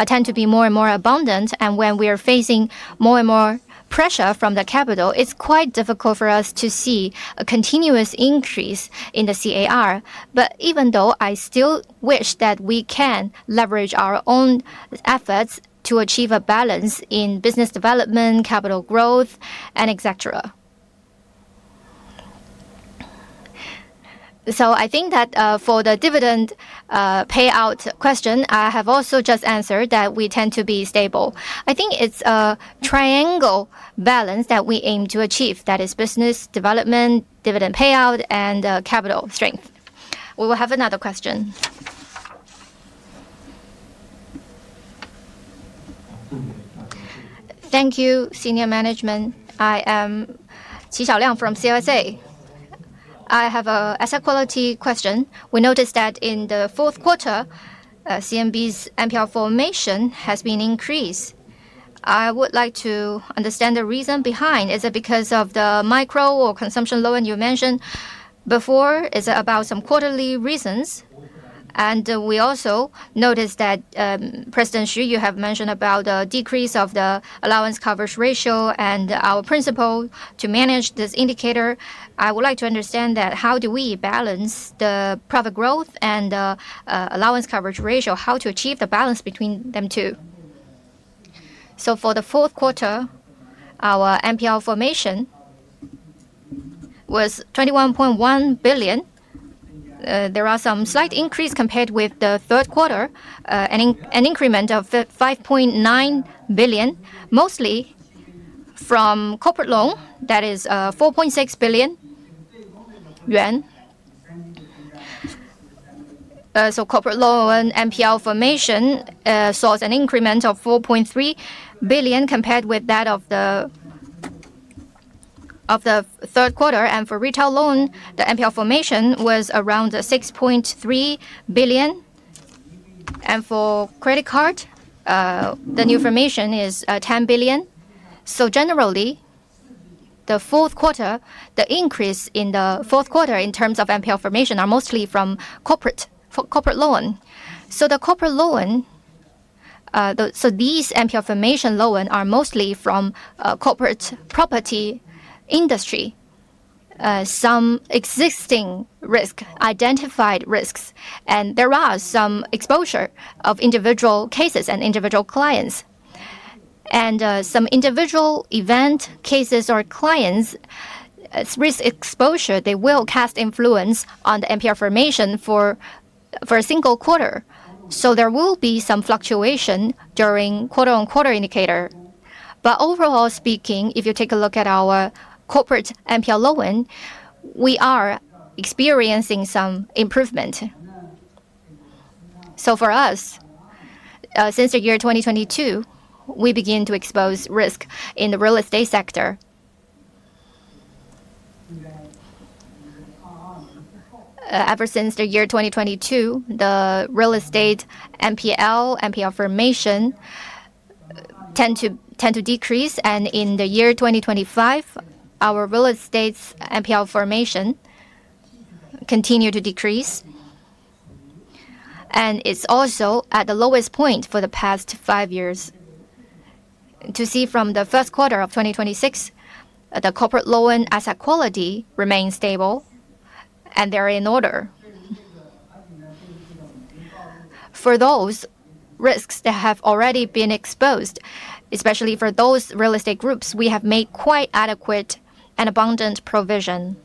tend to be more and more abundant, and when we are facing more and more pressure from the capital, it's quite difficult for us to see a continuous increase in the CAR. Even though I still wish that we can leverage our own efforts to achieve a balance in business development, capital growth, and etc. I think that, for the dividend payout question, I have also just answered that we tend to be stable. I think it's a triangle balance that we aim to achieve. That is business development, dividend payout, and capital strength. We will have another question. Thank you, senior management. I am Chi Shaliang from CSC. I have a asset quality question. We noticed that in the fourth quarter, CMB's NPL formation has been increased. I would like to understand the reason behind. Is it because of the micro or consumption loan you mentioned before? Is it about some quarterly reasons? We also noticed that, President Xu, you have mentioned about a decrease of the allowance coverage ratio and our principle to manage this indicator. I would like to understand that how do we balance the profit growth and, allowance coverage ratio, how to achieve the balance between them two? For the fourth quarter, our NPL formation was 21.1 billion. There are some slight increase compared with the third quarter, an increment of 5.9 billion, mostly from corporate loan, that is, 4.6 billion yuan. Corporate loan NPL formation saw as an increment of 4.3 billion compared with that of the third quarter. For retail loan, the NPL formation was around 6.3 billion. For credit card, the new formation is 10 billion. Generally, the fourth quarter, the increase in the fourth quarter in terms of NPL formation are mostly from corporate, for corporate loan. The corporate loan, these NPL formation loan are mostly from corporate property industry, some existing risk, identified risks, and there are some exposure of individual cases and individual clients. Some individual event cases or clients, its risk exposure, they will cast influence on the NPL formation for a single quarter. There will be some fluctuation during quarter-on-quarter indicator. Overall speaking, if you take a look at our corporate NPL loan, we are experiencing some improvement. For us, since the year 2022, we begin to expose risk in the real estate sector. Ever since the year 2022, the real estate NPL formation tend to decrease. In the year 2025, our real estate NPL formation continue to decrease. It's also at the lowest point for the past five years. As seen from the first quarter of 2026, the corporate loan asset quality remains stable, and they're in order. For those risks that have already been exposed, especially for those real estate groups, we have made quite adequate and abundant provision.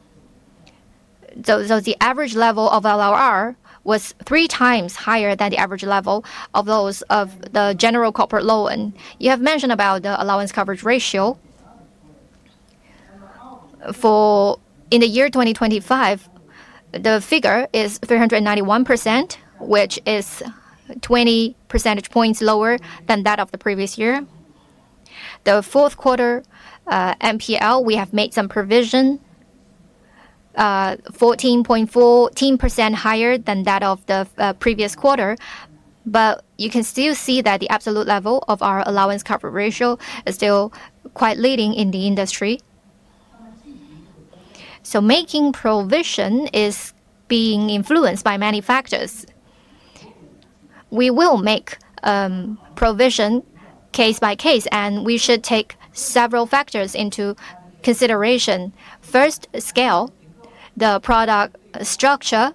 Though the average level of LLR was 3x higher than the average level of those of the general corporate loan. You have mentioned about the allowance coverage ratio. In the year 2025, the figure is 391%, which is 20 percentage points lower than that of the previous year. The fourth quarter NPL, we have made some provision 14.4% higher than that of the previous quarter. You can still see that the absolute level of our allowance cover ratio is still quite leading in the industry. Making provision is being influenced by many factors. We will make provision case by case, and we should take several factors into consideration. First, scale. The product structure,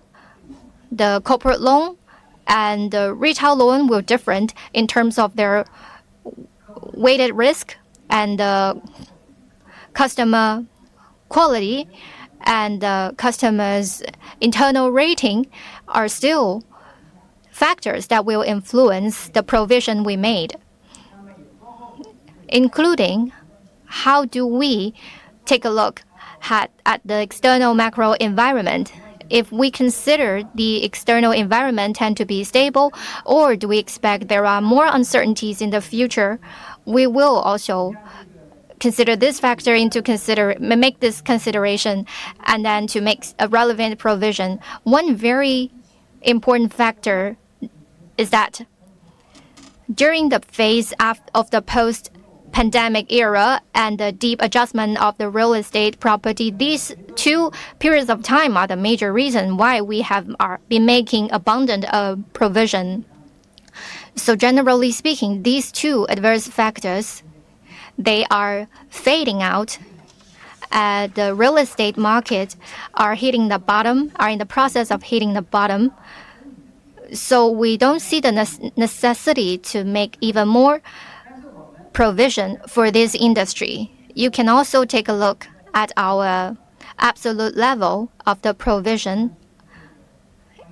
the corporate loan, and the retail loan were different in terms of their weighted risk and customer quality. The customer's internal rating are still factors that will influence the provision we made. Including how do we take a look at the external macro environment. If we consider the external environment tend to be stable, or do we expect there are more uncertainties in the future? We will also consider this factor to make this consideration, and then to make a relevant provision. One very important factor is that during the phase of the post-pandemic era and the deep adjustment of the real estate property, these two periods of time are the major reason why we have been making abundant provision. Generally speaking, these two adverse factors, they are fading out. The real estate markets are in the process of hitting the bottom. We don't see the necessity to make even more provision for this industry. You can also take a look at our absolute level of the provision.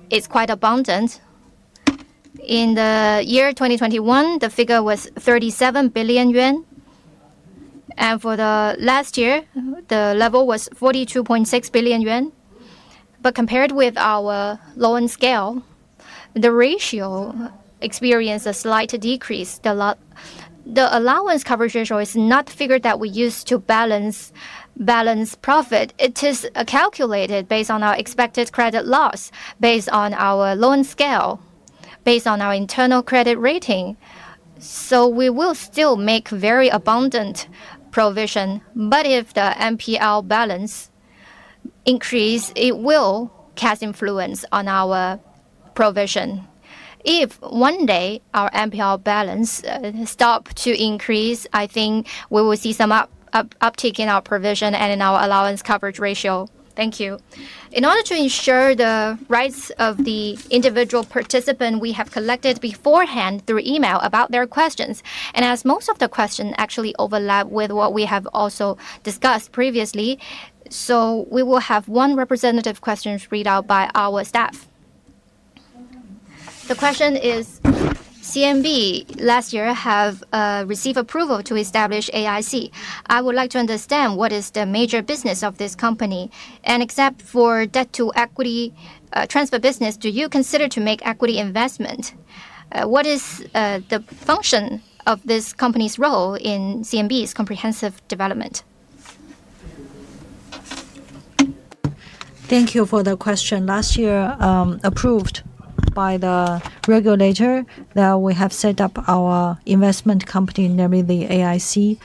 It's quite abundant. In the year 2021, the figure was 37 billion yuan. For the last year, the level was 42.6 billion yuan. Compared with our loan scale, the ratio experienced a slight decrease. The allowance coverage ratio is not the figure that we use to balance profit. It is calculated based on our expected credit loss, based on our loan scale, based on our internal credit rating. We will still make very abundant provision. If the NPL balance increase, it will cast influence on our provision. If one day our NPL balance stop to increase, I think we will see some uptick in our provision and in our allowance coverage ratio. Thank you. In order to ensure the rights of the individual participant, we have collected beforehand through email about their questions. As most of the questions actually overlap with what we have also discussed previously, we will have one representative question read out by our staff. The question is, "CMB last year has received approval to establish AIC. I would like to understand what is the major business of this company. And except for debt-to-equity transfer business, do you consider making equity investment? What is the function of this company's role in CMB's comprehensive development?" Thank you for the question. Last year, approved by the regulator that we have set up our investment company, namely the AIC.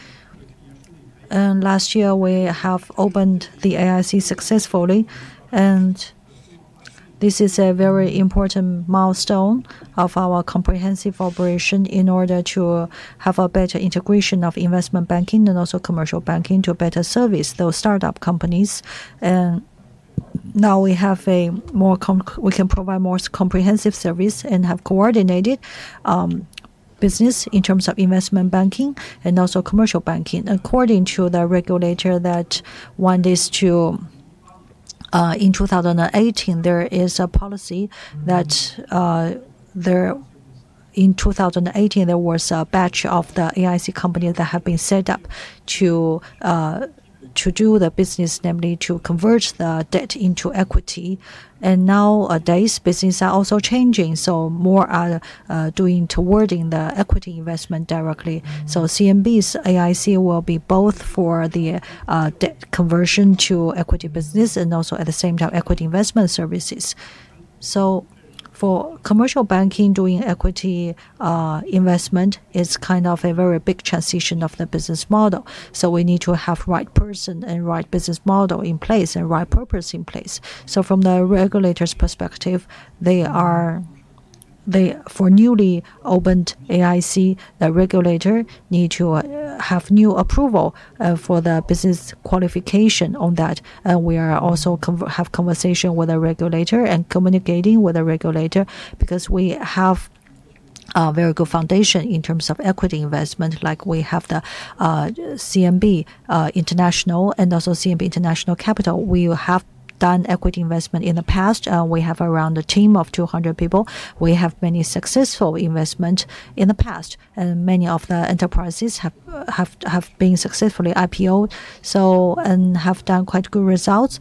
Last year we have opened the AIC successfully, and this is a very important milestone of our comprehensive operation in order to have a better integration of Investment Banking and also Commercial Banking to better service those startup companies. We can provide more comprehensive service and have coordinated business in terms of Investment Banking and also Commercial Banking. According to the regulator that wanted us to, in 2018, there was a batch of the AIC company that have been set up to do the business, namely to convert the debt into equity, and now nowadays business are also changing, so more are doing towards the equity investment directly. CMB's AIC will be both for the debt conversion to equity business and also at the same time equity investment services. For Commercial Banking, doing equity investment is kind of a very big transition of the business model. We need to have right person and right business model in place and right purpose in place. From the regulator's perspective, they are... For newly opened AIC, the regulator need to have new approval for the business qualification on that, and we are also have conversation with the regulator and communicating with the regulator because we have a very good foundation in terms of equity investment, like we have the CMB International and also CMB International Capital. We have done equity investment in the past. We have around a team of 200 people. We have many successful investment in the past, and many of the enterprises have been successfully IPOed, and have done quite good results.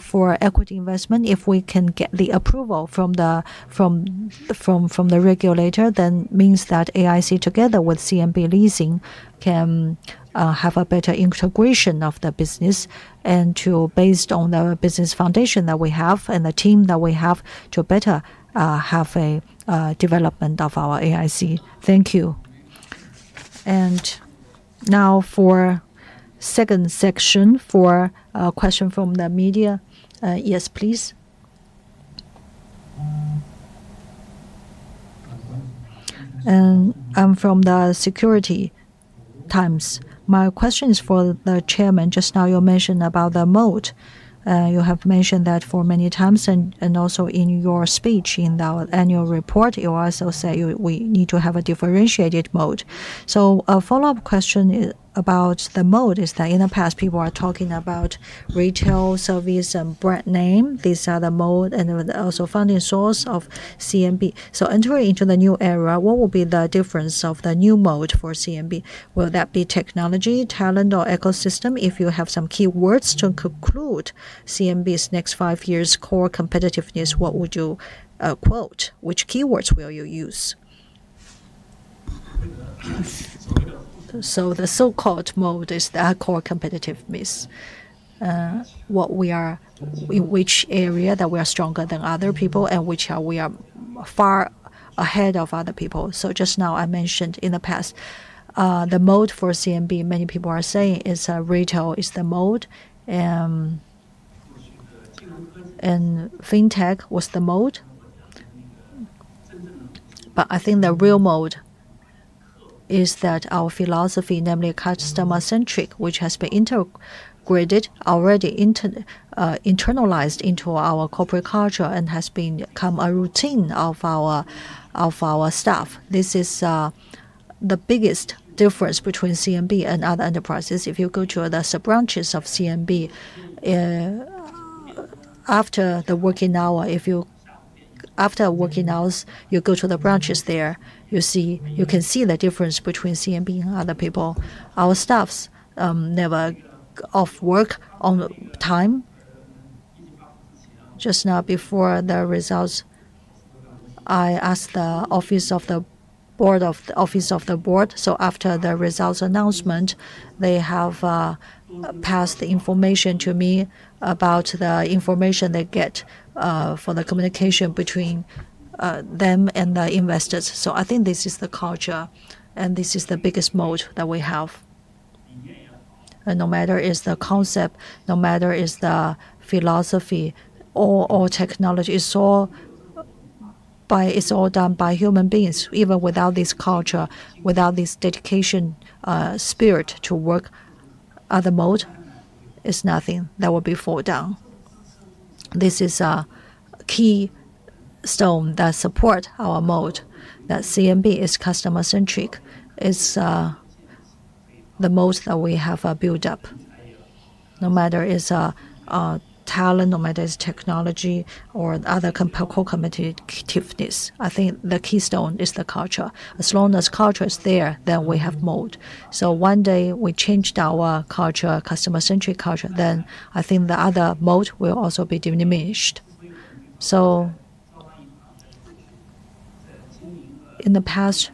For equity investment, if we can get the approval from the regulator, then means that AIC together with CMB Leasing can have a better integration of the business and to, based on the business foundation that we have and the team that we have, to better have a development of our AIC. Thank you. Now for second section, for a question from the media. Yes, please. I'm from the Securities Times. My question is for the Chairman. Just now you mentioned about the moat. You have mentioned that for many times and also in your speech in the annual report, you also say we need to have a differentiated moat. A follow-up question about the moat is that in the past, people are talking about retail service and brand name. These are the moat and the also funding source of CMB. Entering into the new era, what will be the difference of the new moat for CMB? Will that be technology, talent or ecosystem? If you have some keywords to conclude CMB's next five years' core competitiveness, what would you quote? Which keywords will you use? The so-called moat is the core competitiveness. Which area that we are stronger than other people and which we are far ahead of other people. Just now I mentioned in the past, the moat for CMB, many people are saying is, retail is the moat, and fintech was the moat. I think the real moat is that our philosophy, namely customer-centric, which has been integrated already, internalized into our corporate culture and has been become a routine of our staff. This is the biggest difference between CMB and other enterprises. If you go to the sub-branches of CMB, after the working hour, After working hours, you go to the branches there, You can see the difference between CMB and other people. Our staffs never off work on time. Just now before the results, I asked the office of the Board, so after the results announcement, they have passed the information to me about the information they get for the communication between them and the investors. I think this is the culture, and this is the biggest moat that we have. No matter is the concept, no matter is the philosophy or technology, it's all done by human beings. Even without this culture, without this dedication, spirit to work, other moat is nothing, that would be fall down. This is a keystone that support our moat, that CMB is customer-centric. It's the moat that we have built up. No matter is talent, no matter is technology or other core competitiveness, I think the keystone is the culture. As long as culture is there, then we have moat. One day we changed our culture, customer-centric culture, then I think the other moat will also be diminished. In the past,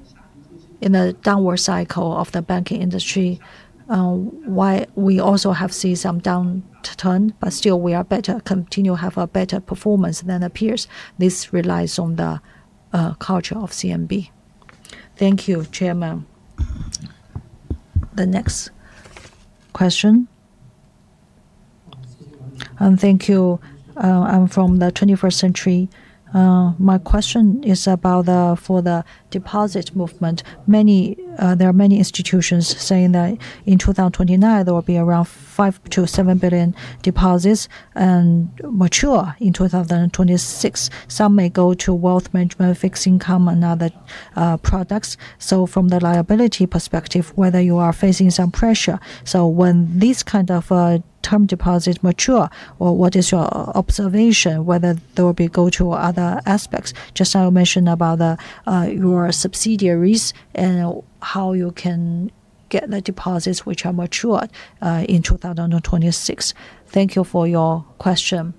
in the downward cycle of the banking industry, we have also seen some downturn, but still we continue to have a better performance than peers. This relies on the culture of CMB. Thank you, Chairman. The next question? Thank you. I'm from the 21st Century. My question is about the deposit movement. There are many institutions saying that in 2019, there will be around 5 billion-7 billion deposits mature in 2026. Some may go to Wealth Management or fixed income and other products. From the liability perspective, whether you are facing some pressure. When these kind of term deposits mature, what is your observation, whether they will go to other aspects? Just now you mentioned about your subsidiaries and how you can get the deposits which are matured in 2026. Thank you for your question.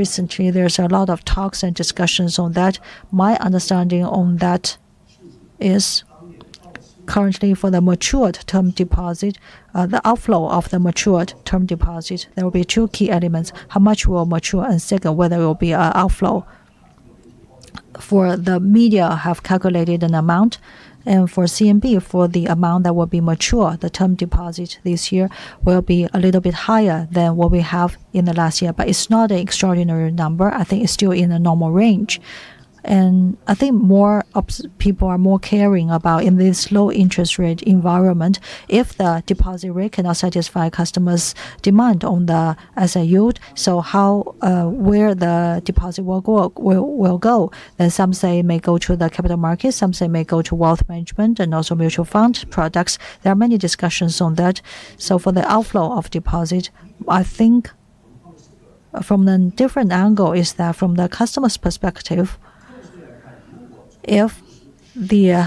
Recently there's a lot of talks and discussions on that. My understanding on that is currently for the matured term deposit, the outflow of the matured term deposit, there will be two key elements. How much will mature, and second, whether it will be outflow. The media have calculated an amount, and for CMB, the amount that will be mature, the term deposit this year will be a little bit higher than what we have in the last year, but it's not an extraordinary number. I think it's still in a normal range. I think people are more concerned about in this low interest rate environment if the deposit rate cannot satisfy customers' demand for the asset yield, how where the deposit will go. Some say may go to the capital market, some say may go to Wealth Management and also mutual fund products. There are many discussions on that. For the deposit outflow, I think from a different angle is that from the customer's perspective, if the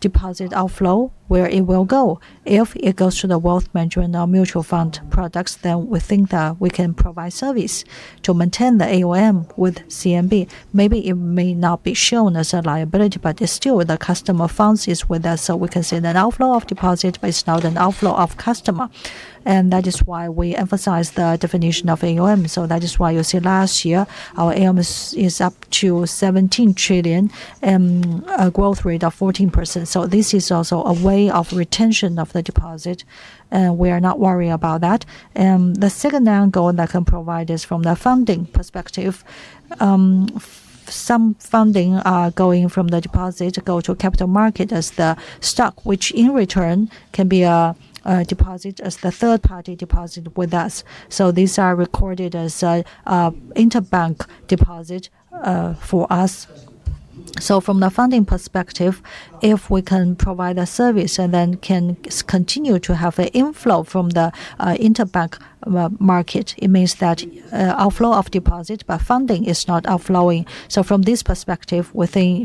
deposit outflow, where it will go. If it goes to the Wealth Management or mutual fund products, then we think that we can provide service to maintain the AUM with CMB. Maybe it may not be shown as a liability, but it's still the customer funds is with us, so we can say that outflow of deposit but it's not an outflow of customer. That is why we emphasize the definition of AUM. That is why you see last year our AUM is up to 17 trillion and a growth rate of 14%. This is also a way of retention of the deposit, and we are not worried about that. The second angle that can provide is from the funding perspective. Some funding going from the deposit go to capital market as the stock, which in return can be a deposit as the third party deposit with us. These are recorded as a interbank deposit for us. From the funding perspective, if we can provide a service and then can continue to have an inflow from the interbank market, it means that outflow of deposit by funding is not outflowing. From this perspective,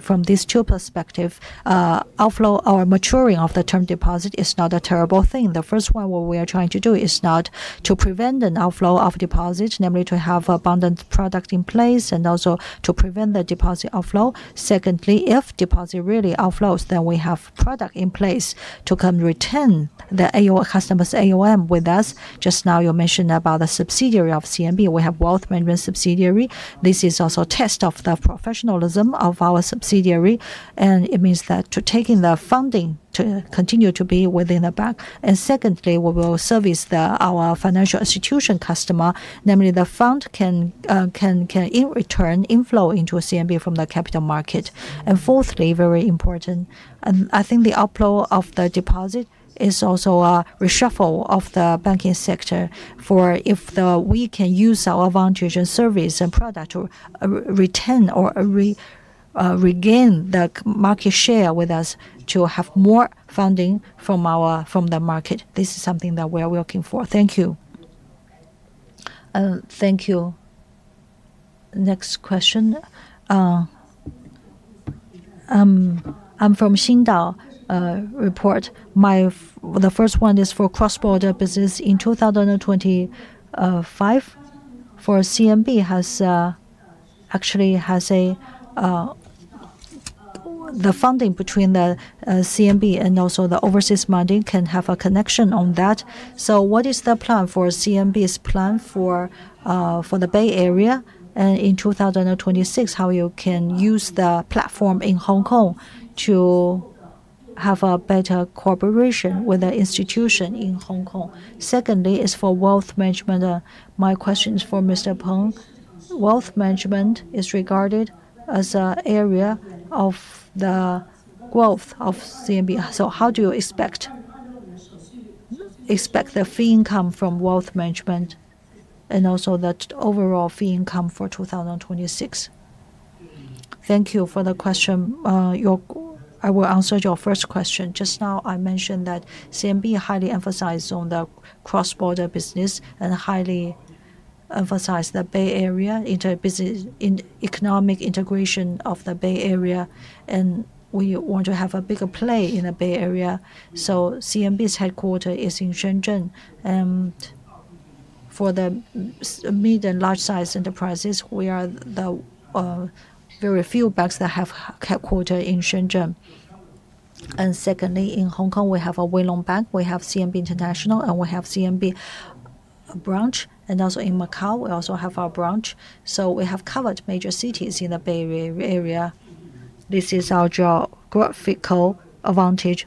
from these two perspectives, outflow or maturing of the term deposit is not a terrible thing. The first one, what we are trying to do is not to prevent an outflow of deposits, namely to have abundant products in place and also to prevent the deposit outflow. Secondly, if deposit really outflows, then we have products in place to retain the customer's AUM with us. Just now you mentioned about the subsidiary of CMB. We have Wealth Management subsidiary. This is also a test of the professionalism of our subsidiary, and it means that taking the funding to continue to be within the bank. Secondly, we will service our financial institution customer, namely the funds can in return inflow into CMB from the capital market. Fourthly, very important, I think the outflow of the deposit is also a reshuffle of the banking sector for if we can use our advantage and service and product to retain or regain the market share with us to have more funding from the market. This is something that we are working for. Thank you. Thank you. Next question? I'm from Sing Tao report. The first one is for cross-border business. In 2025 for CMB has actually the funding between the CMB and also the overseas funding can have a connection on that. What is the plan for CMB's plan for the Bay Area, and in 2026, how you can use the platform in Hong Kong to have a better cooperation with the institution in Hong Kong? Secondly is for Wealth Management. My question is for Mr. Peng. Wealth management is regarded as a area of the growth of CMB. How do you expect the fee income from Wealth Management and also that overall fee income for 2026? Thank you for the question. I will answer your first question. Just now I mentioned that CMB highly emphasized on the cross-border business and highly emphasize the Bay Area in economic integration of the Bay Area, and we want to have a bigger play in the Bay Area. CMB's headquarter is in Shenzhen. For the mid and large-size enterprises, we are the very few banks that have headquarters in Shenzhen. Secondly, in Hong Kong, we have a Wing Lung Bank, we have CMB International, and we have CMB branch. Also in Macau, we also have our branch. We have covered major cities in the Bay Area. This is our geographical advantage.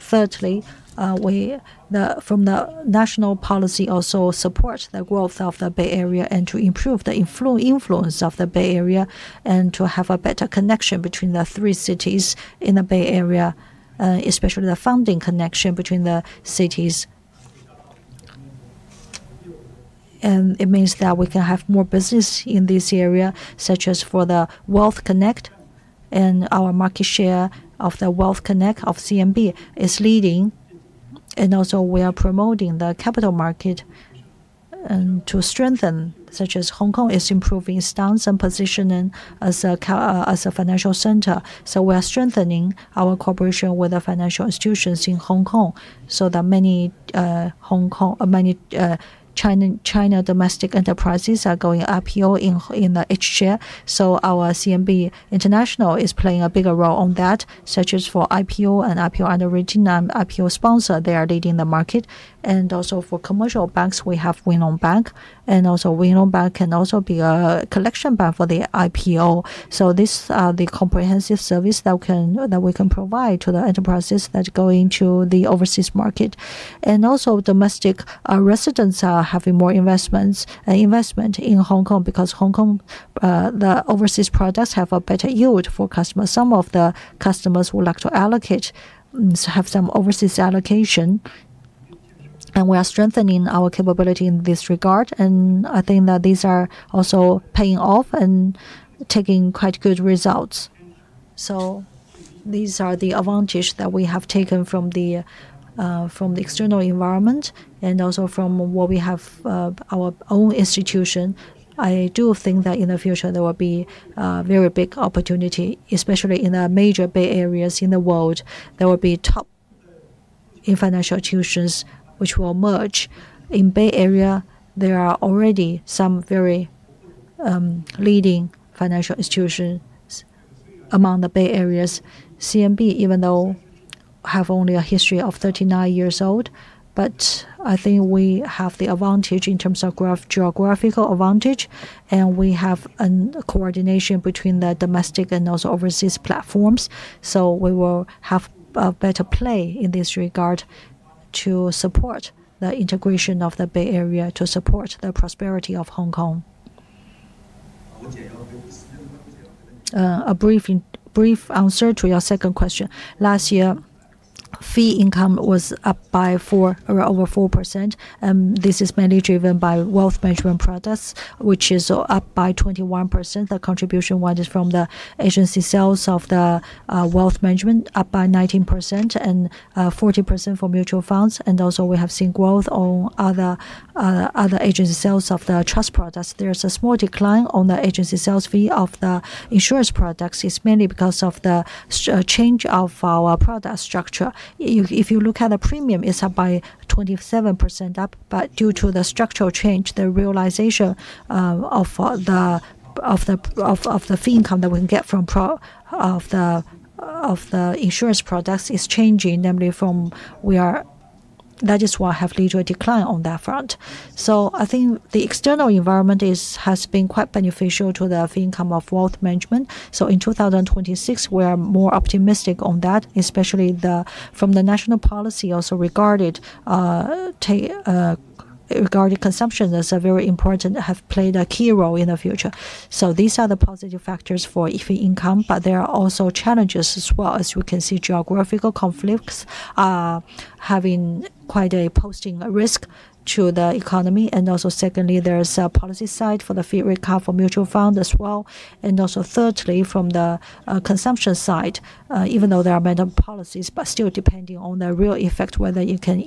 Thirdly, from the national policy also support the growth of the Bay Area and to improve the influence of the Bay Area and to have a better connection between the three cities in the Bay Area, especially the funding connection between the cities. It means that we can have more business in this area, such as for the Wealth Management Connect and our market share of the Wealth Management Connect of CMB is leading. We are promoting the capital market. To strengthen, such as Hong Kong is improving stance and positioning as a financial center. We are strengthening our cooperation with the financial institutions in Hong Kong so that many China domestic enterprises are going IPO in the H-share. Our CMB International is playing a bigger role on that, such as for IPO underwriting. IPO sponsor, they are leading the market. For commercial banks we have Wing Lung Bank, and Wing Lung Bank can also be a collection bank for the IPO. This is the comprehensive service that we can provide to the enterprises that are going to the overseas market. Domestic residents are having more investments in Hong Kong because the overseas products have a better yield for customers. Some of the customers would like to have some overseas allocation. We are strengthening our capability in this regard, and I think that these are also paying off and taking quite good results. These are the advantage that we have taken from the external environment and also from what we have our own institution. I do think that in the future there will be very big opportunity, especially in the major Bay Areas in the world, there will be top in financial institutions which will merge. In Bay Area, there are already some very leading financial institutions among the Bay Areas. CMB even though have only a history of 39 years old, but I think we have the advantage in terms of geographical advantage, and we have a coordination between the domestic and also overseas platforms, so we will have a better play in this regard to support the integration of the Bay Area, to support the prosperity of Hong Kong. A brief answer to your second question. Last year, fee income was up by 4%, or over 4%, this is mainly driven by Wealth Management products, which is up by 21%. The contribution was from the agency sales of the Wealth Management up by 19% and 40% for mutual funds. Also we have seen growth on other agency sales of the trust products. There's a small decline on the agency sales fee of the insurance products. It's mainly because of the change of our product structure. If you look at the premium, it's up by 27%, but due to the structural change, the realization of the fee income that we get from the insurance products is changing. Namely from we are. That is why have led to a decline on that front. I think the external environment has been quite beneficial to the fee income of Wealth Management. In 2026 we are more optimistic on that, especially from the national policy also regarded regarding consumption as a very important have played a key role in the future. These are the positive factors for net fee income, but there are also challenges as well. As we can see, geopolitical conflicts having quite a posing risk to the economy. Secondly, there's a policy side for the fee revenue mutual fund as well. Thirdly, from the consumption side, even though there are many policies, but still depending on the real effect, whether you can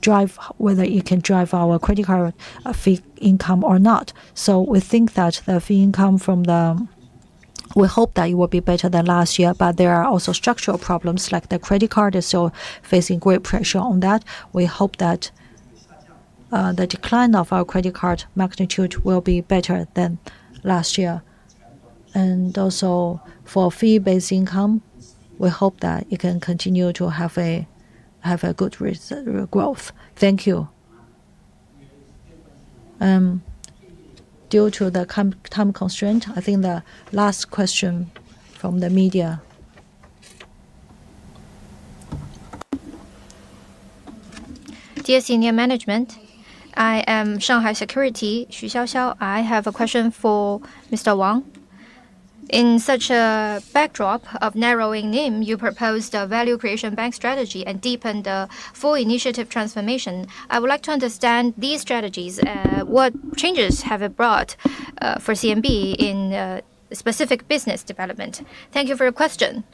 drive our credit card fee income or not. We think that the fee income. We hope that it will be better than last year, but there are also structural problems like the credit card is still facing great pressure on that. We hope that the decline of our credit card magnitude will be better than last year. Also for fee-based income, we hope that it can continue to have a good growth. Thank you. Due to the time constraint, I think the last question from the media. Dear senior management, I am Shanghai Securities, Xu Xiaoxiao. I have a question for Mr. Wang. In such a backdrop of narrowing NIM, you proposed a value creation bank strategy and deepened a full initiative transformation. I would like to understand these strategies. What changes have it brought for CMB in specific business development? Thank you for your question.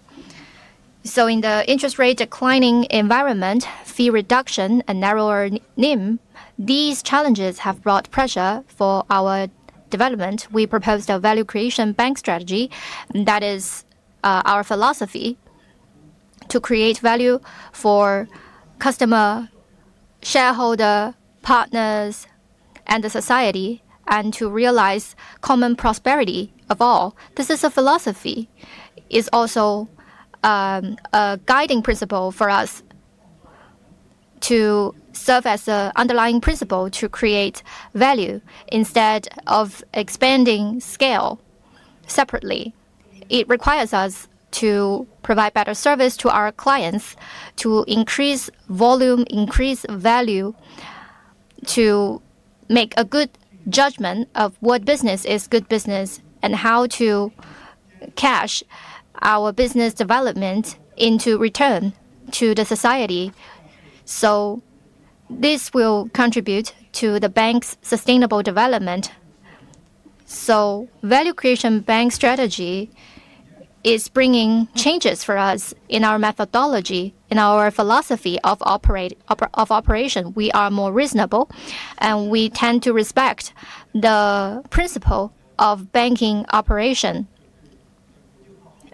In the interest rate declining environment, fee reduction and narrower net NIM, these challenges have brought pressure for our development. We proposed a value creation bank strategy that is our philosophy to create value for customer, shareholder, partners and the society, and to realize common prosperity of all. This is a philosophy. It's also a guiding principle for us to serve as a underlying principle to create value instead of expanding scale separately. It requires us to provide better service to our clients to increase volume, increase value, to make a good judgment of what business is good business and how to cash our business development into return to the society. This will contribute to the bank's sustainable development. Value creation bank strategy is bringing changes for us in our methodology and our philosophy of operation. We are more reasonable, and we tend to respect the principle of banking operation.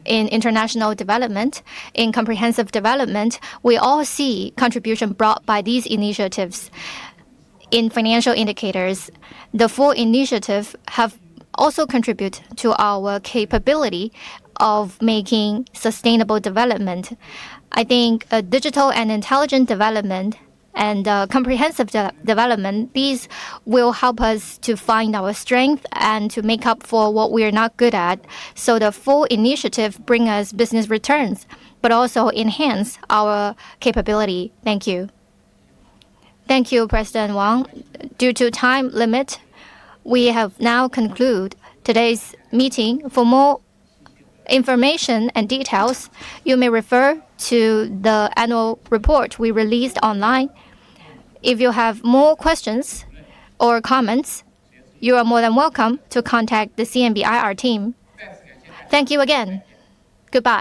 In international development, in comprehensive development, we all see contribution brought by these initiatives. In financial indicators, the four initiative have also contribute to our capability of making sustainable development. I think a digital and intelligent development and comprehensive development, these will help us to find our strength and to make up for what we are not good at. So, the four initiative bring us business returns, but also enhance our capability. Thank you. Thank you, President Wang. Due to time limit, we have now conclude today's meeting. For more information and details, you may refer to the annual report we released online. If you have more questions or comments, you are more than welcome to contact the CMB IR team. Thank you again. Goodbye.